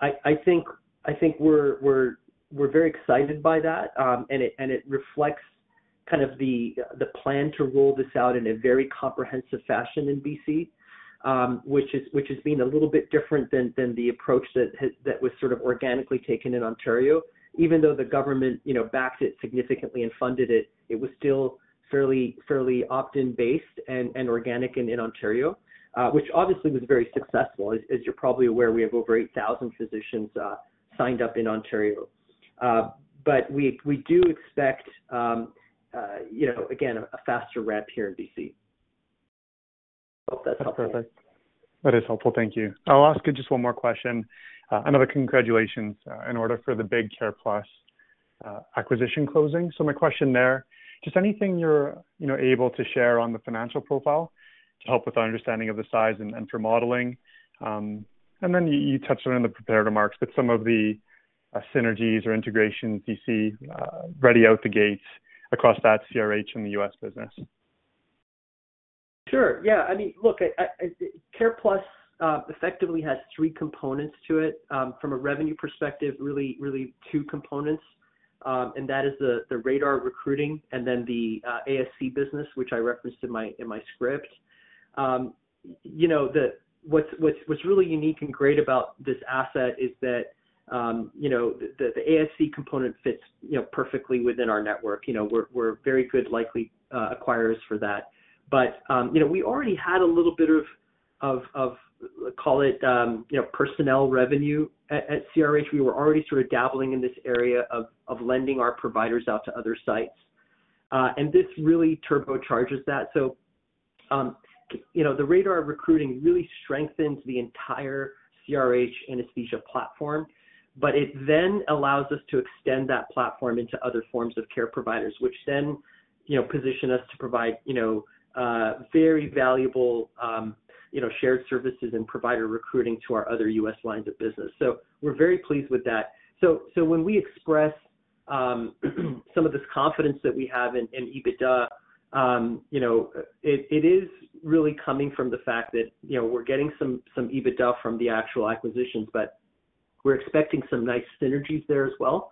I, I think, I think we're, we're, we're very excited by that, and it, and it reflects kind of the, the plan to roll this out in a very comprehensive fashion in BC, which is, which has been a little bit different than, than the approach that was sort of organically taken in Ontario. Even though the government, you know, backed it significantly and funded it, it was still fairly, fairly opt-in based and organic in Ontario, which obviously was very successful. As you're probably aware, we have over 8,000 physicians signed up in Ontario. We, we do expect, you know, again, a faster ramp here in BC. I hope that's helpful. That's perfect. That is helpful. Thank you. I'll ask you just one more question. Another congratulations in order for the big CarePlus acquisition closing. My question there, just anything you're, you know, able to share on the financial profile to help with our understanding of the size and, and for modeling? And then you, you touched on it in the prepared remarks, but some of the synergies or integrations you see ready out the gate across that CRH in the U.S. business. Sure. Yeah. I mean, look, I, I, CarePlus effectively has three components to it. From a revenue perspective, really, really two components, and that is the, the Radar recruiting and then the ASC business, which I referenced in my, in my script. You know, what's, what's, what's really unique and great about this asset is that, you know, the, the ASC component fits, you know, perfectly within our network. You know, we're, we're very good, likely, acquirers for that. But, you know, we already had a little bit of, of, of, call it, you know, personnel revenue at CRH. We were already sort of dabbling in this area of, of lending our providers out to other sites, and this really turbocharges that. You know, the Radar recruiting really strengthens the entire CRH Anesthesia platform, but it then allows us to extend that platform into other forms of care providers, which then, you know, position us to provide, you know, very valuable, you know, shared services and provider recruiting to our other U.S. lines of business. We're very pleased with that. When we express, some of this confidence that we have in EBITDA, you know, it is really coming from the fact that, you know, we're getting some EBITDA from the actual acquisitions, but we're expecting some nice synergies there as well.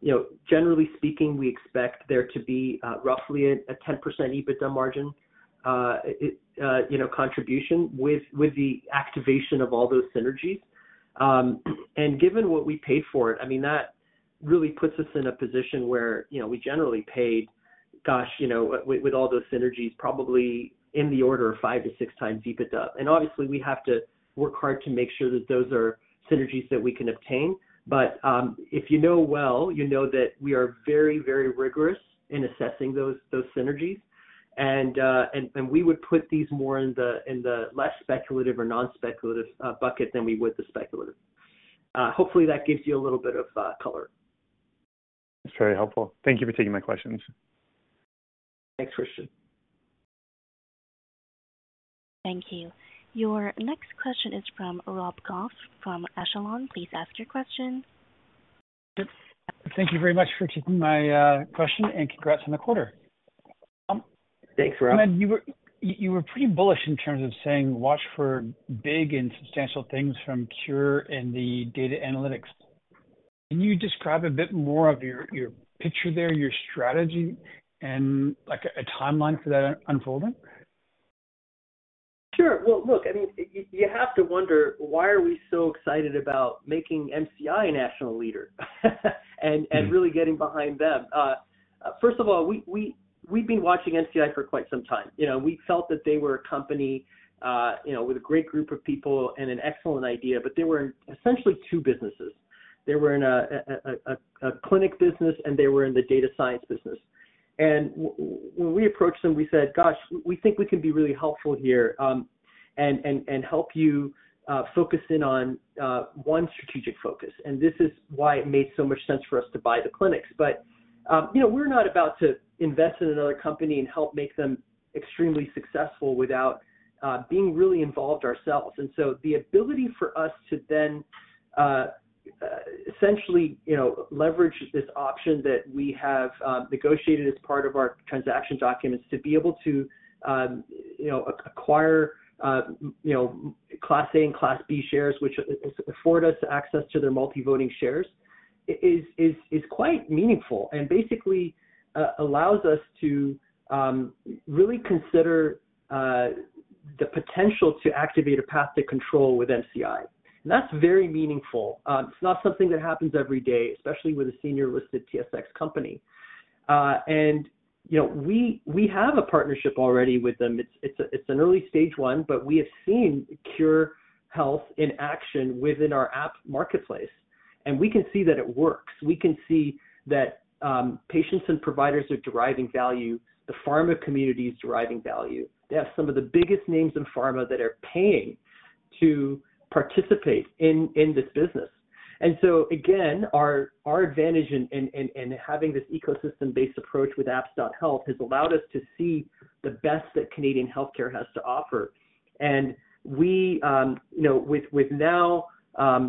You know, generally speaking, we expect there to be roughly a 10% EBITDA margin, you know, contribution with the activation of all those synergies. Given what we paid for it, I mean, that really puts us in a position where, you know, we generally paid, gosh, you know, with, with all those synergies, probably in the order of 5x to 6x EBITDA. Obviously, we have to work hard to make sure that those are synergies that we can obtain. If you know well, you know that we are very, very rigorous in assessing those, those synergies. We would put these more in the, in the less speculative or non-speculative, bucket than we would the speculative. Hopefully, that gives you a little bit of color. It's very helpful. Thank you for taking my questions. Thanks, Christian. Thank you. Your next question is from Rob Goff from Echelon. Please ask your question. Thank you very much for taking my question, and congrats on the quarter. Thanks, Rob. You were, you, you were pretty bullish in terms of saying watch for big and substantial things from Cure and the data analytics. Can you describe a bit more of your, your picture there, your strategy, and like a timeline for that unfolding? Well, look, I mean, you, you have to wonder, why are we so excited about making NCI a national leader? Really getting behind them. First of all, we've been watching NCI for quite some time. You know, we felt that they were a company, you know, with a great group of people and an excellent idea, but they were essentially two businesses. They were in a clinic business, and they were in the data science business. When we approached them, we said, "Gosh, we think we can be really helpful here, and help you focus in on one strategic focus." This is why it made so much sense for us to buy the clinics. You know, we're not about to invest in another company and help make them extremely successful without being really involved ourselves. The ability for us to then, essentially, you know, leverage this option that we have negotiated as part of our transaction documents to be able to, you know, acquire, you know, Class A and Class B shares, which afford us access to their multi-voting shares, is, is, is quite meaningful and basically allows us to really consider the potential to activate a path to control with NCI. That's very meaningful. It's not something that happens every day, especially with a senior-listed TSX company. You know, we have a partnership already with them. It's, it's a, it's an early stage one, but we have seen Cure Health in action within our apps.health marketplace, and we can see that it works. We can see that patients and providers are deriving value, the pharma community is deriving value. They have some of the biggest names in pharma that are paying to participate in, in this business. So again, our, our advantage in, in, in, in having this ecosystem-based approach with apps.health has allowed us to see the best that Canadian healthcare has to offer. We, you know, with, with now,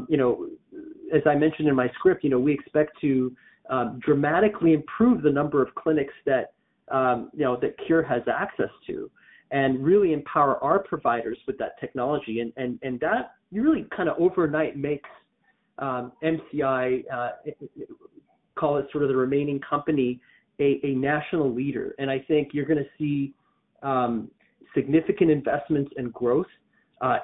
you know, as I mentioned in my script, you know, we expect to dramatically improve the number of clinics that, you know, that Cure has access to and really empower our providers with that technology. That really kind of overnight makes NCI, call it sort of the remaining company, a national leader. I think you're gonna see significant investments and growth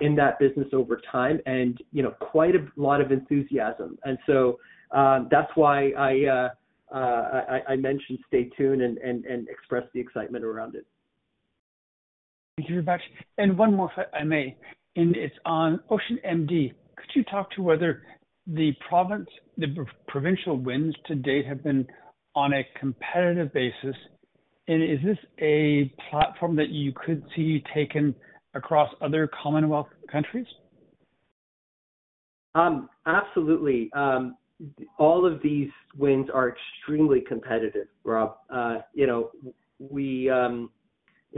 in that business over time and, you know, quite a lot of enthusiasm. So, that's why I mentioned stay tuned and expressed the excitement around it. Thank you very much. One more, if I may, and it's on OceanMD. Could you talk to whether the provincial wins to date have been on a competitive basis? Is this a platform that you could see taken across other Commonwealth countries? Absolutely. All of these wins are extremely competitive, Rob. You know, we, you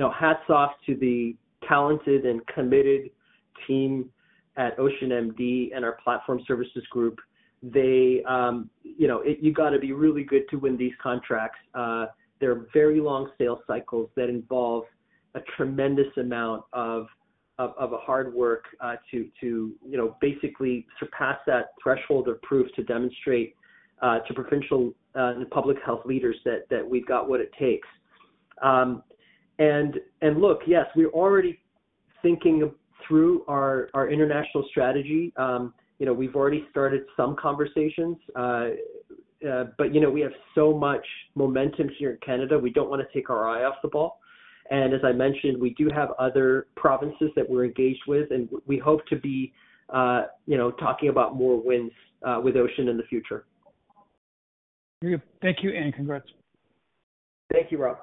know, hats off to the talented and committed team at OceanMD and our platform services group. You know, you got to be really good to win these contracts. They're very long sales cycles that involve a tremendous amount of, of, of hard work, to, to, you know, basically surpass that threshold or proof to demonstrate, to provincial, and public health leaders that, that we've got what it takes. And look, yes, we're already thinking through our, our international strategy. You know, we've already started some conversations, but, you know, we have so much momentum here in Canada. We don't want to take our eye off the ball. As I mentioned, we do have other provinces that we're engaged with, and we hope to be, you know, talking about more wins, with Ocean in the future. Thank you, and congrats. Thank you, Rob.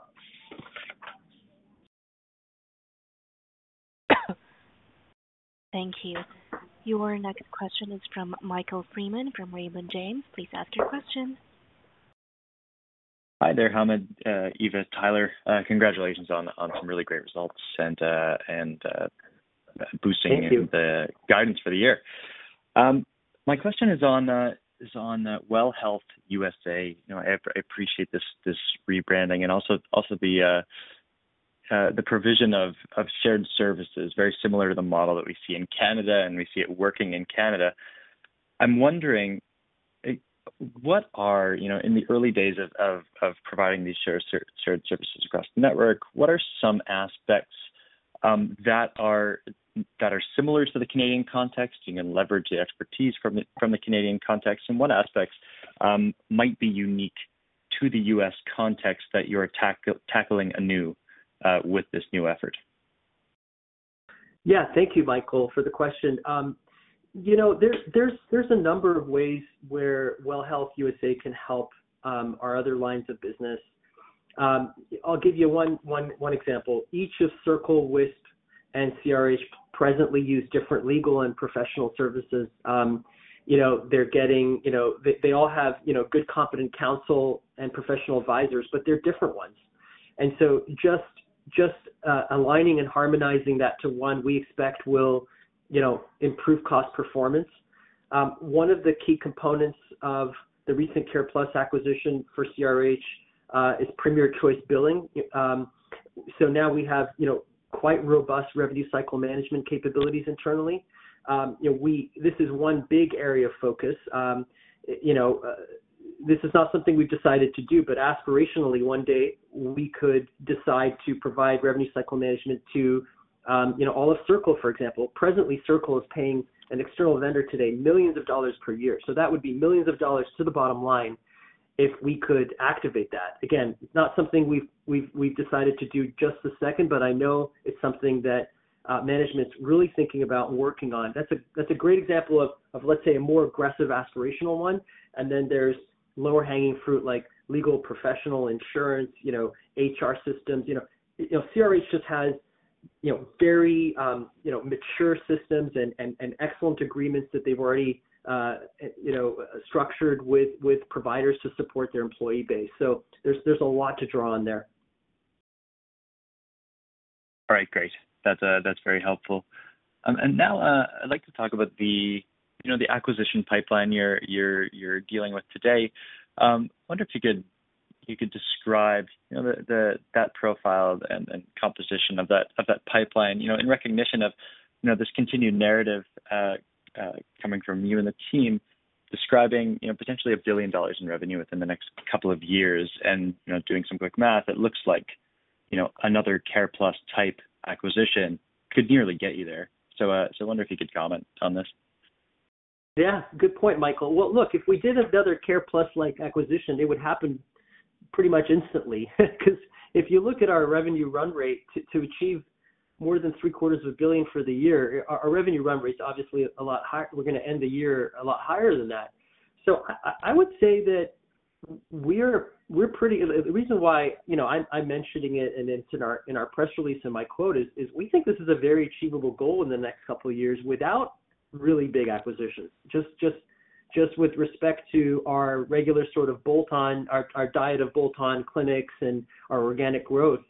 Thank you. Your next question is from Michael Freeman, from Raymond James. Please ask your question. Hi there, Hamed, Eva, Tyler. Congratulations on, on some really great results and, and, boosting- Thank you.... the guidance for the year. My question is on is on WELL Health USA. You know, I, I appreciate this, this rebranding and also, also the provision of shared services, very similar to the model that we see in Canada, and we see it working in Canada. I'm wondering what are, you know, in the early days of providing these shared services across the network, what are some aspects that are that are similar to the Canadian context? You can leverage the expertise from the Canadian context, and what aspects might be unique to the US context that you're tackling anew with this new effort? Yeah. Thank you, Michael, for the question. You know, there's, there's, there's a number of ways where WELL Health USA can help our other lines of business. I'll give you one, one, one example. Each of Circle, WISP, and CRH presently use different legal and professional services. You know, they're getting, you know, they, they all have, you know, good, competent counsel and professional advisors, but they're different ones. So just, just, aligning and harmonizing that to one, we expect will, you know, improve cost performance. One of the key components of the recent CarePlus acquisition for CRH is Premier Choice Billing. So now we have, you know, quite robust revenue cycle management capabilities internally. You know, we, this is one big area of focus. You know, this is not something we've decided to do, but aspirationally, one day we could decide to provide revenue cycle management to, you know, all of Circle, for example. Presently, Circle is paying an external vendor today, millions of dollars per year. That would be millions of dollars to the bottom line if we could activate that. Again, it's not something we've decided to do just a second, but I know it's something that management's really thinking about working on. That's a great example of, let's say, a more aggressive, aspirational one, and then there's lower hanging fruit, like legal, professional, insurance, you know, HR systems. You know, you know, CRH just has, you know, very, you know, mature systems and, and, and excellent agreements that they've already, you know, structured with, with providers to support their employee base. There's, there's a lot to draw on there. All right, great. That's very helpful. Now, I'd like to talk about the, you know, the acquisition pipeline you're, you're, you're dealing with today. I wonder if you could, you could describe, you know, the, the, that profile and, and composition of that, of that pipeline, you know, in recognition of, you know, this continued narrative coming from you and the team describing, you know, potentially 1 billion dollars in revenue within the next couple of years. And, you know, doing some quick math, it looks like, you know, another CarePlus type acquisition could nearly get you there. I wonder if you could comment on this. Yeah, good point, Michael Freeman. Well, look, if we did another CarePlus Management-like acquisition, it would happen pretty much instantly. If you look at our revenue run rate, to achieve more than 750 million for the year, our revenue run rate is obviously a lot, we're gonna end the year a lot higher than that. I would say that we're The reason why, you know, I'm mentioning it, and it's in our press release and my quote is, is we think this is a very achievable goal in the next couple of years without really big acquisitions. Just with respect to our regular sort of bolt-on, our diet of bolt-on clinics and our organic growth.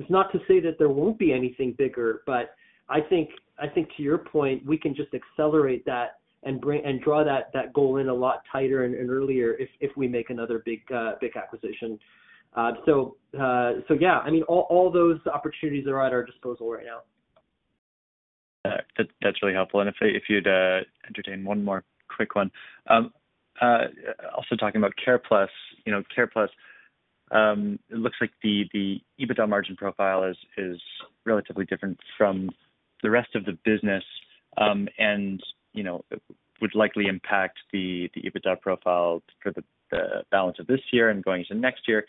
It's not to say that there won't be anything bigger, but I think, I think to your point, we can just accelerate that and draw that, that goal in a lot tighter and, and earlier if, if we make another big, big acquisition. So yeah, I mean, all, all those opportunities are at our disposal right now. That, that's really helpful. If, if you'd entertain one more quick one. Also talking about CarePlus. You know, CarePlus, it looks like the EBITDA margin profile is relatively different from the rest of the business, and, you know, would likely impact the EBITDA profile for the balance of this year and going into next year.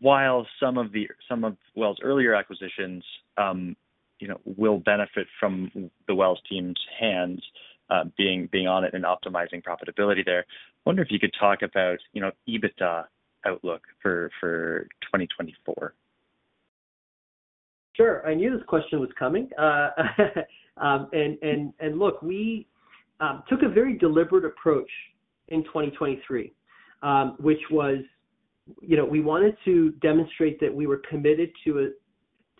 While some of the some of WELL's earlier acquisitions, you know, will benefit from the WELL's team's hands, being, being on it and optimizing profitability there. I wonder if you could talk about, you know, EBITDA outlook for 2024? Sure. I knew this question was coming. We took a very deliberate approach in 2023, which was, you know, we wanted to demonstrate that we were committed to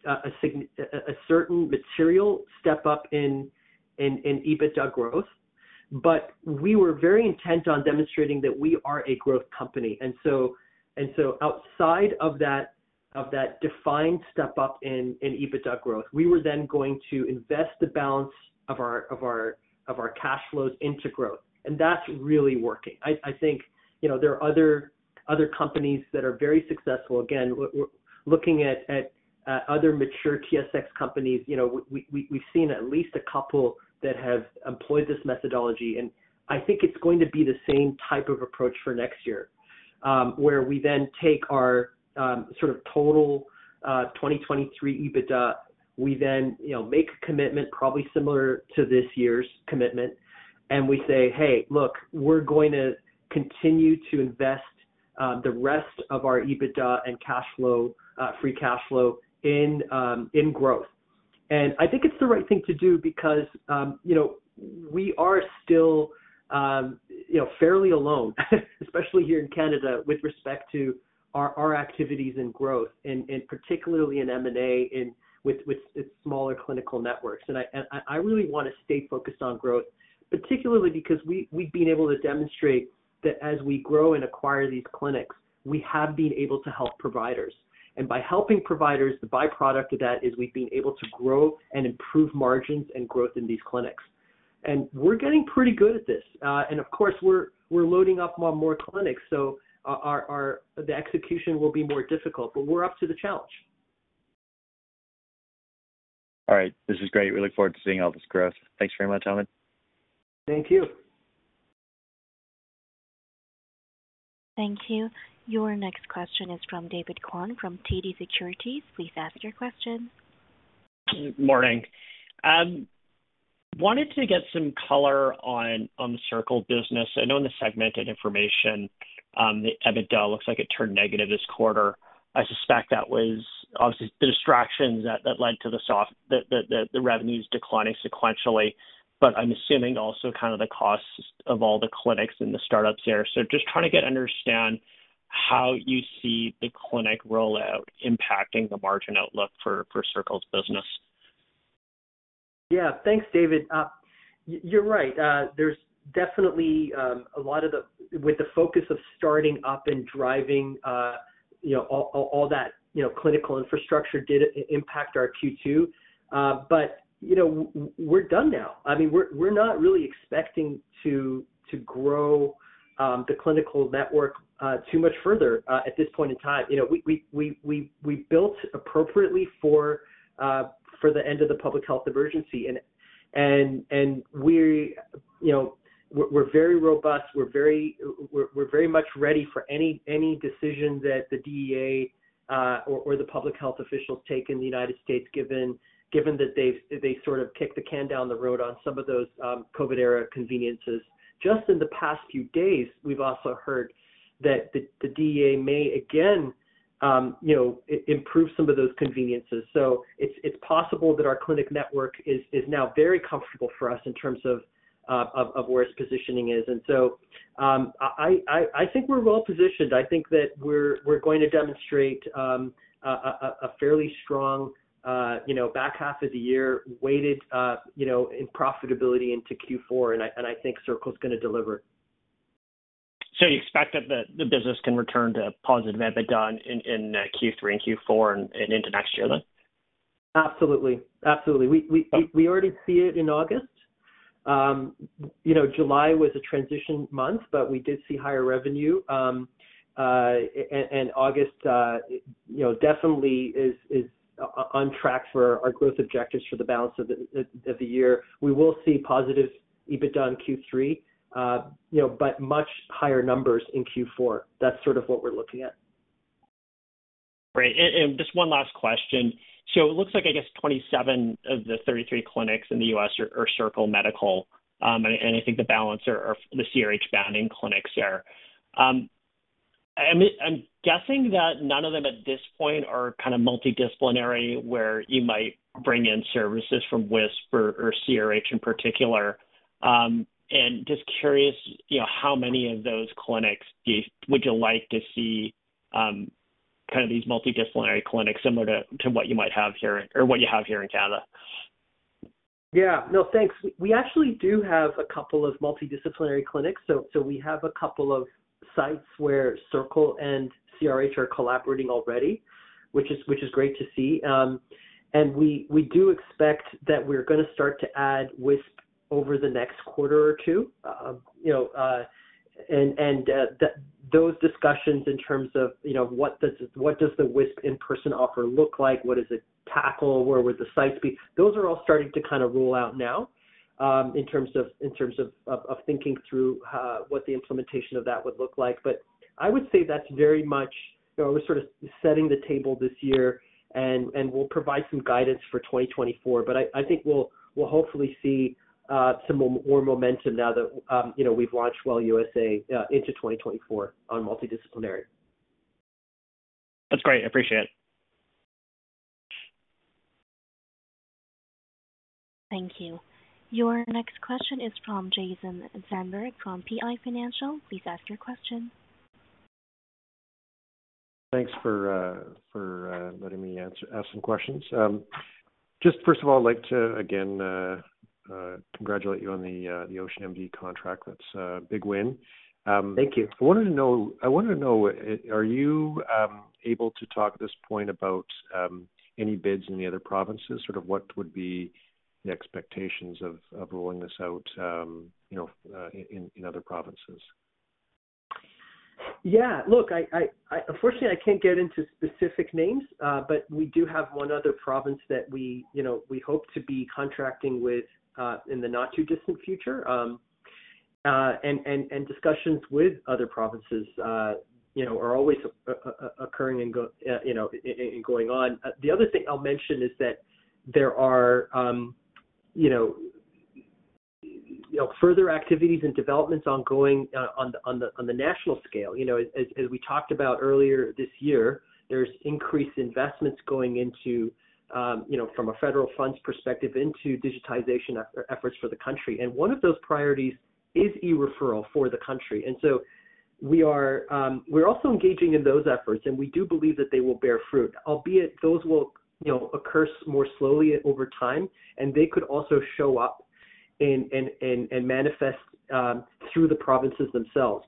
a certain material step up in EBITDA growth, but we were very intent on demonstrating that we are a growth company. Outside of that, of that defined step up in EBITDA growth, we were then going to invest the balance of our cash flows into growth, and that's really working. I think, you know, there are other, other companies that are very successful. Again, looking at other mature TSX companies, you know, we, we, we've seen at least a couple that have employed this methodology, and I think it's going to be the same type of approach for next year. Where we then take our, sort of total, 2023 EBITDA. We then, you know, make a commitment, probably similar to this year's commitment, and we say, "Hey, look, we're going to continue to invest, the rest of our EBITDA and cash flow, free cash flow in, in growth." I think it's the right thing to do because, you know, we are still, you know, fairly alone, especially here in Canada, with respect to our, our activities and growth, and, and particularly in M&A, with, with smaller clinical networks. I really wanna stay focused on growth, particularly because we, we've been able to demonstrate that as we grow and acquire these clinics, we have been able to help providers. By helping providers, the byproduct of that is we've been able to grow and improve margins and growth in these clinics. We're getting pretty good at this. Of course, we're, we're loading up on more clinics, so our, our, the execution will be more difficult, but we're up to the challenge. All right, this is great. We look forward to seeing all this growth. Thanks very much, Hamed. Thank you. Thank you. Your next question is from David Kwan from TD Securities. Please ask your question. Morning. Wanted to get some color on the Circle business. I know in the segment information, the EBITDA looks like it turned negative this quarter. I suspect that was obviously the distractions that led to the revenues declining sequentially, but I'm assuming also kind of the costs of all the clinics and the start-ups there. Just understand how you see the clinic rollout impacting the margin outlook for Circle's business? Yeah, thanks, David. You're right. There's definitely, you know, a lot of with the focus of starting up and driving, you know, all, all that clinical infrastructure did impact our Q2. You know, we're done now. I mean, we're, we're not really expecting to grow the clinical network too much further at this point in time. You know, we built appropriately for the end of the public health emergency, and we, you know, we're very robust, we're very, we're very much ready for any, any decision that the DEA or the public health officials take in the United States, given that they've, they sort of kicked the can down the road on some of those COVID-era conveniences. Just in the past few days, we've also heard that the, the DEA may again, you know, improve some of those conveniences. It's, it's possible that our clinic network is, is now very comfortable for us in terms of, of, of where its positioning is. I, I, I think we're well positioned. I think that we're, we're going to demonstrate, a, a, a fairly strong, you know, back half of the year, weighted, you know, in profitability into Q4, and I, and I think Circle's gonna deliver. You expect that the business can return to positive EBITDA in Q3 and Q4 and into next year then? Absolutely. Absolutely. We, we, we, we already see it in August. You know, July was a transition month, but we did see higher revenue. August, you know, definitely is on track for our growth objectives for the balance of the year. We will see positive EBITDA in Q3, you know, but much higher numbers in Q4. That's sort of what we're looking at. Great. Just one last question: It looks like, I guess, 27 of the 33 clinics in the U.S. are Circle Medical, and I think the balance are the CRH branding clinics there. I'm guessing that none of them at this point are kind of multidisciplinary, where you might bring in services from WISP or CRH in particular. Just curious, you know, how many of those clinics would you like to see kind of these multidisciplinary clinics, similar to what you might have here or what you have here in Canada? Yeah. No, thanks. We actually do have a couple of multidisciplinary clinics. We have a couple of sites where Circle and CRH are collaborating already, which is, which is great to see. We do expect that we're gonna start to add WISP over the next quarter or two. You know, those discussions in terms of, you know, what does, what does the WISP in-person offer look like? What does it tackle? Where would the sites be? Those are all starting to kind of roll out now, in terms of thinking through what the implementation of that would look like. I would say that's very much, you know, we're sort of setting the table this year and we'll provide some guidance for 2024. I, I think we'll, we'll hopefully see some more momentum now that, you know, we've launched WELL USA into 2024 on multidisciplinary. That's great. I appreciate it. Thank you. Your next question is from Jason Zandberg, from PI Financial. Please ask your question. Thanks for, for, letting me ask some questions. Just first of all, I'd like to again, congratulate you on the, the OceanMD contract. That's a big win. Thank you. I wanted to know, I wanted to know, are you able to talk at this point about any bids in the other provinces? Sort of what would be the expectations of, of rolling this out, you know, in, in other provinces? Yeah. Look, I, I, I unfortunately, I can't get into specific names, but we do have one other province that we, you know, we hope to be contracting with in the not-too-distant future. And, and discussions with other provinces, you know, are always occurring and going on. The other thing I'll mention is that there are, you know, you know, further activities and developments ongoing on the, on the, on the national scale. You know, as, as we talked about earlier this year, there's increased investments going into, you know, from a federal funds perspective, into digitization efforts for the country. One of those priorities is eReferral for the country. We are, we're also engaging in those efforts, and we do believe that they will bear fruit, albeit those will occur more slowly over time, and they could also show up and, and, and, and manifest through the provinces themselves.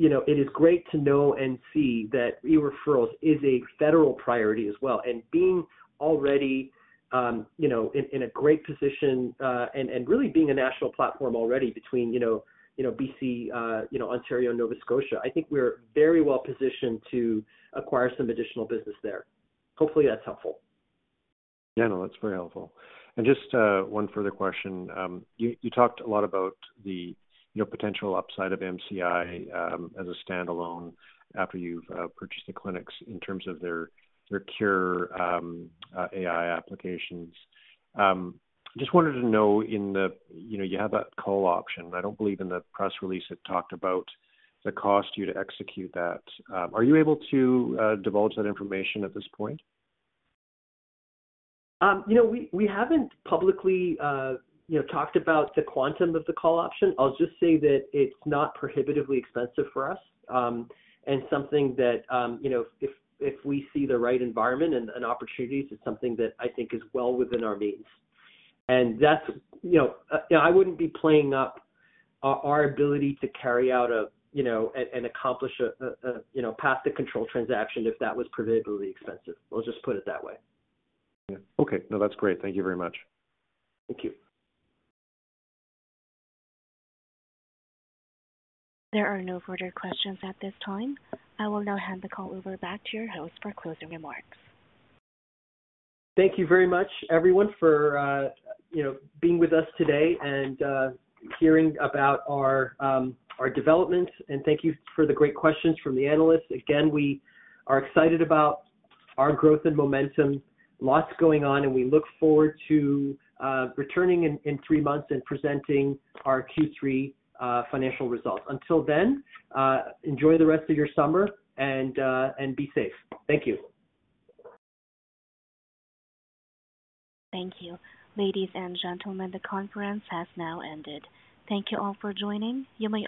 It is great to know and see that e-Referrals is a federal priority as well. Being already in a great position and really being a national platform already between BC, Ontario, Nova Scotia. I think we're very well positioned to acquire some additional business there. Hopefully, that's helpful. Yeah, no, that's very helpful. Just, one further question. You, you talked a lot about the, you know, potential upside of MCI as a standalone after you've purchased the clinics in terms of their, their Cure AI applications. Just wanted to know in the, you know, you have that call option. I don't believe in the press release, it talked about the cost you to execute that. Are you able to divulge that information at this point? You know, we, we haven't publicly, you know, talked about the quantum of the call option. I'll just say that it's not prohibitively expensive for us. Something that, you know, if, if we see the right environment and, and opportunities, it's something that I think is well within our means. That's, you know, I wouldn't be playing up our, our ability to carry out a, you know, and, and accomplish a, a, a, you know, pass the control transaction if that was prohibitively expensive. We'll just put it that way. Yeah. Okay. No, that's great. Thank you very much. Thank you. There are no further questions at this time. I will now hand the call over back to your host for closing remarks. Thank you very much, everyone, for, you know, being with us today and hearing about our developments. Thank you for the great questions from the analysts. Again, we are excited about our growth and momentum. Lots going on. We look forward to returning in three months and presenting our Q3 financial results. Until then, enjoy the rest of your summer. Be safe. Thank you. Thank you. Ladies and gentlemen, the conference has now ended. Thank you all for joining. You may disconnect.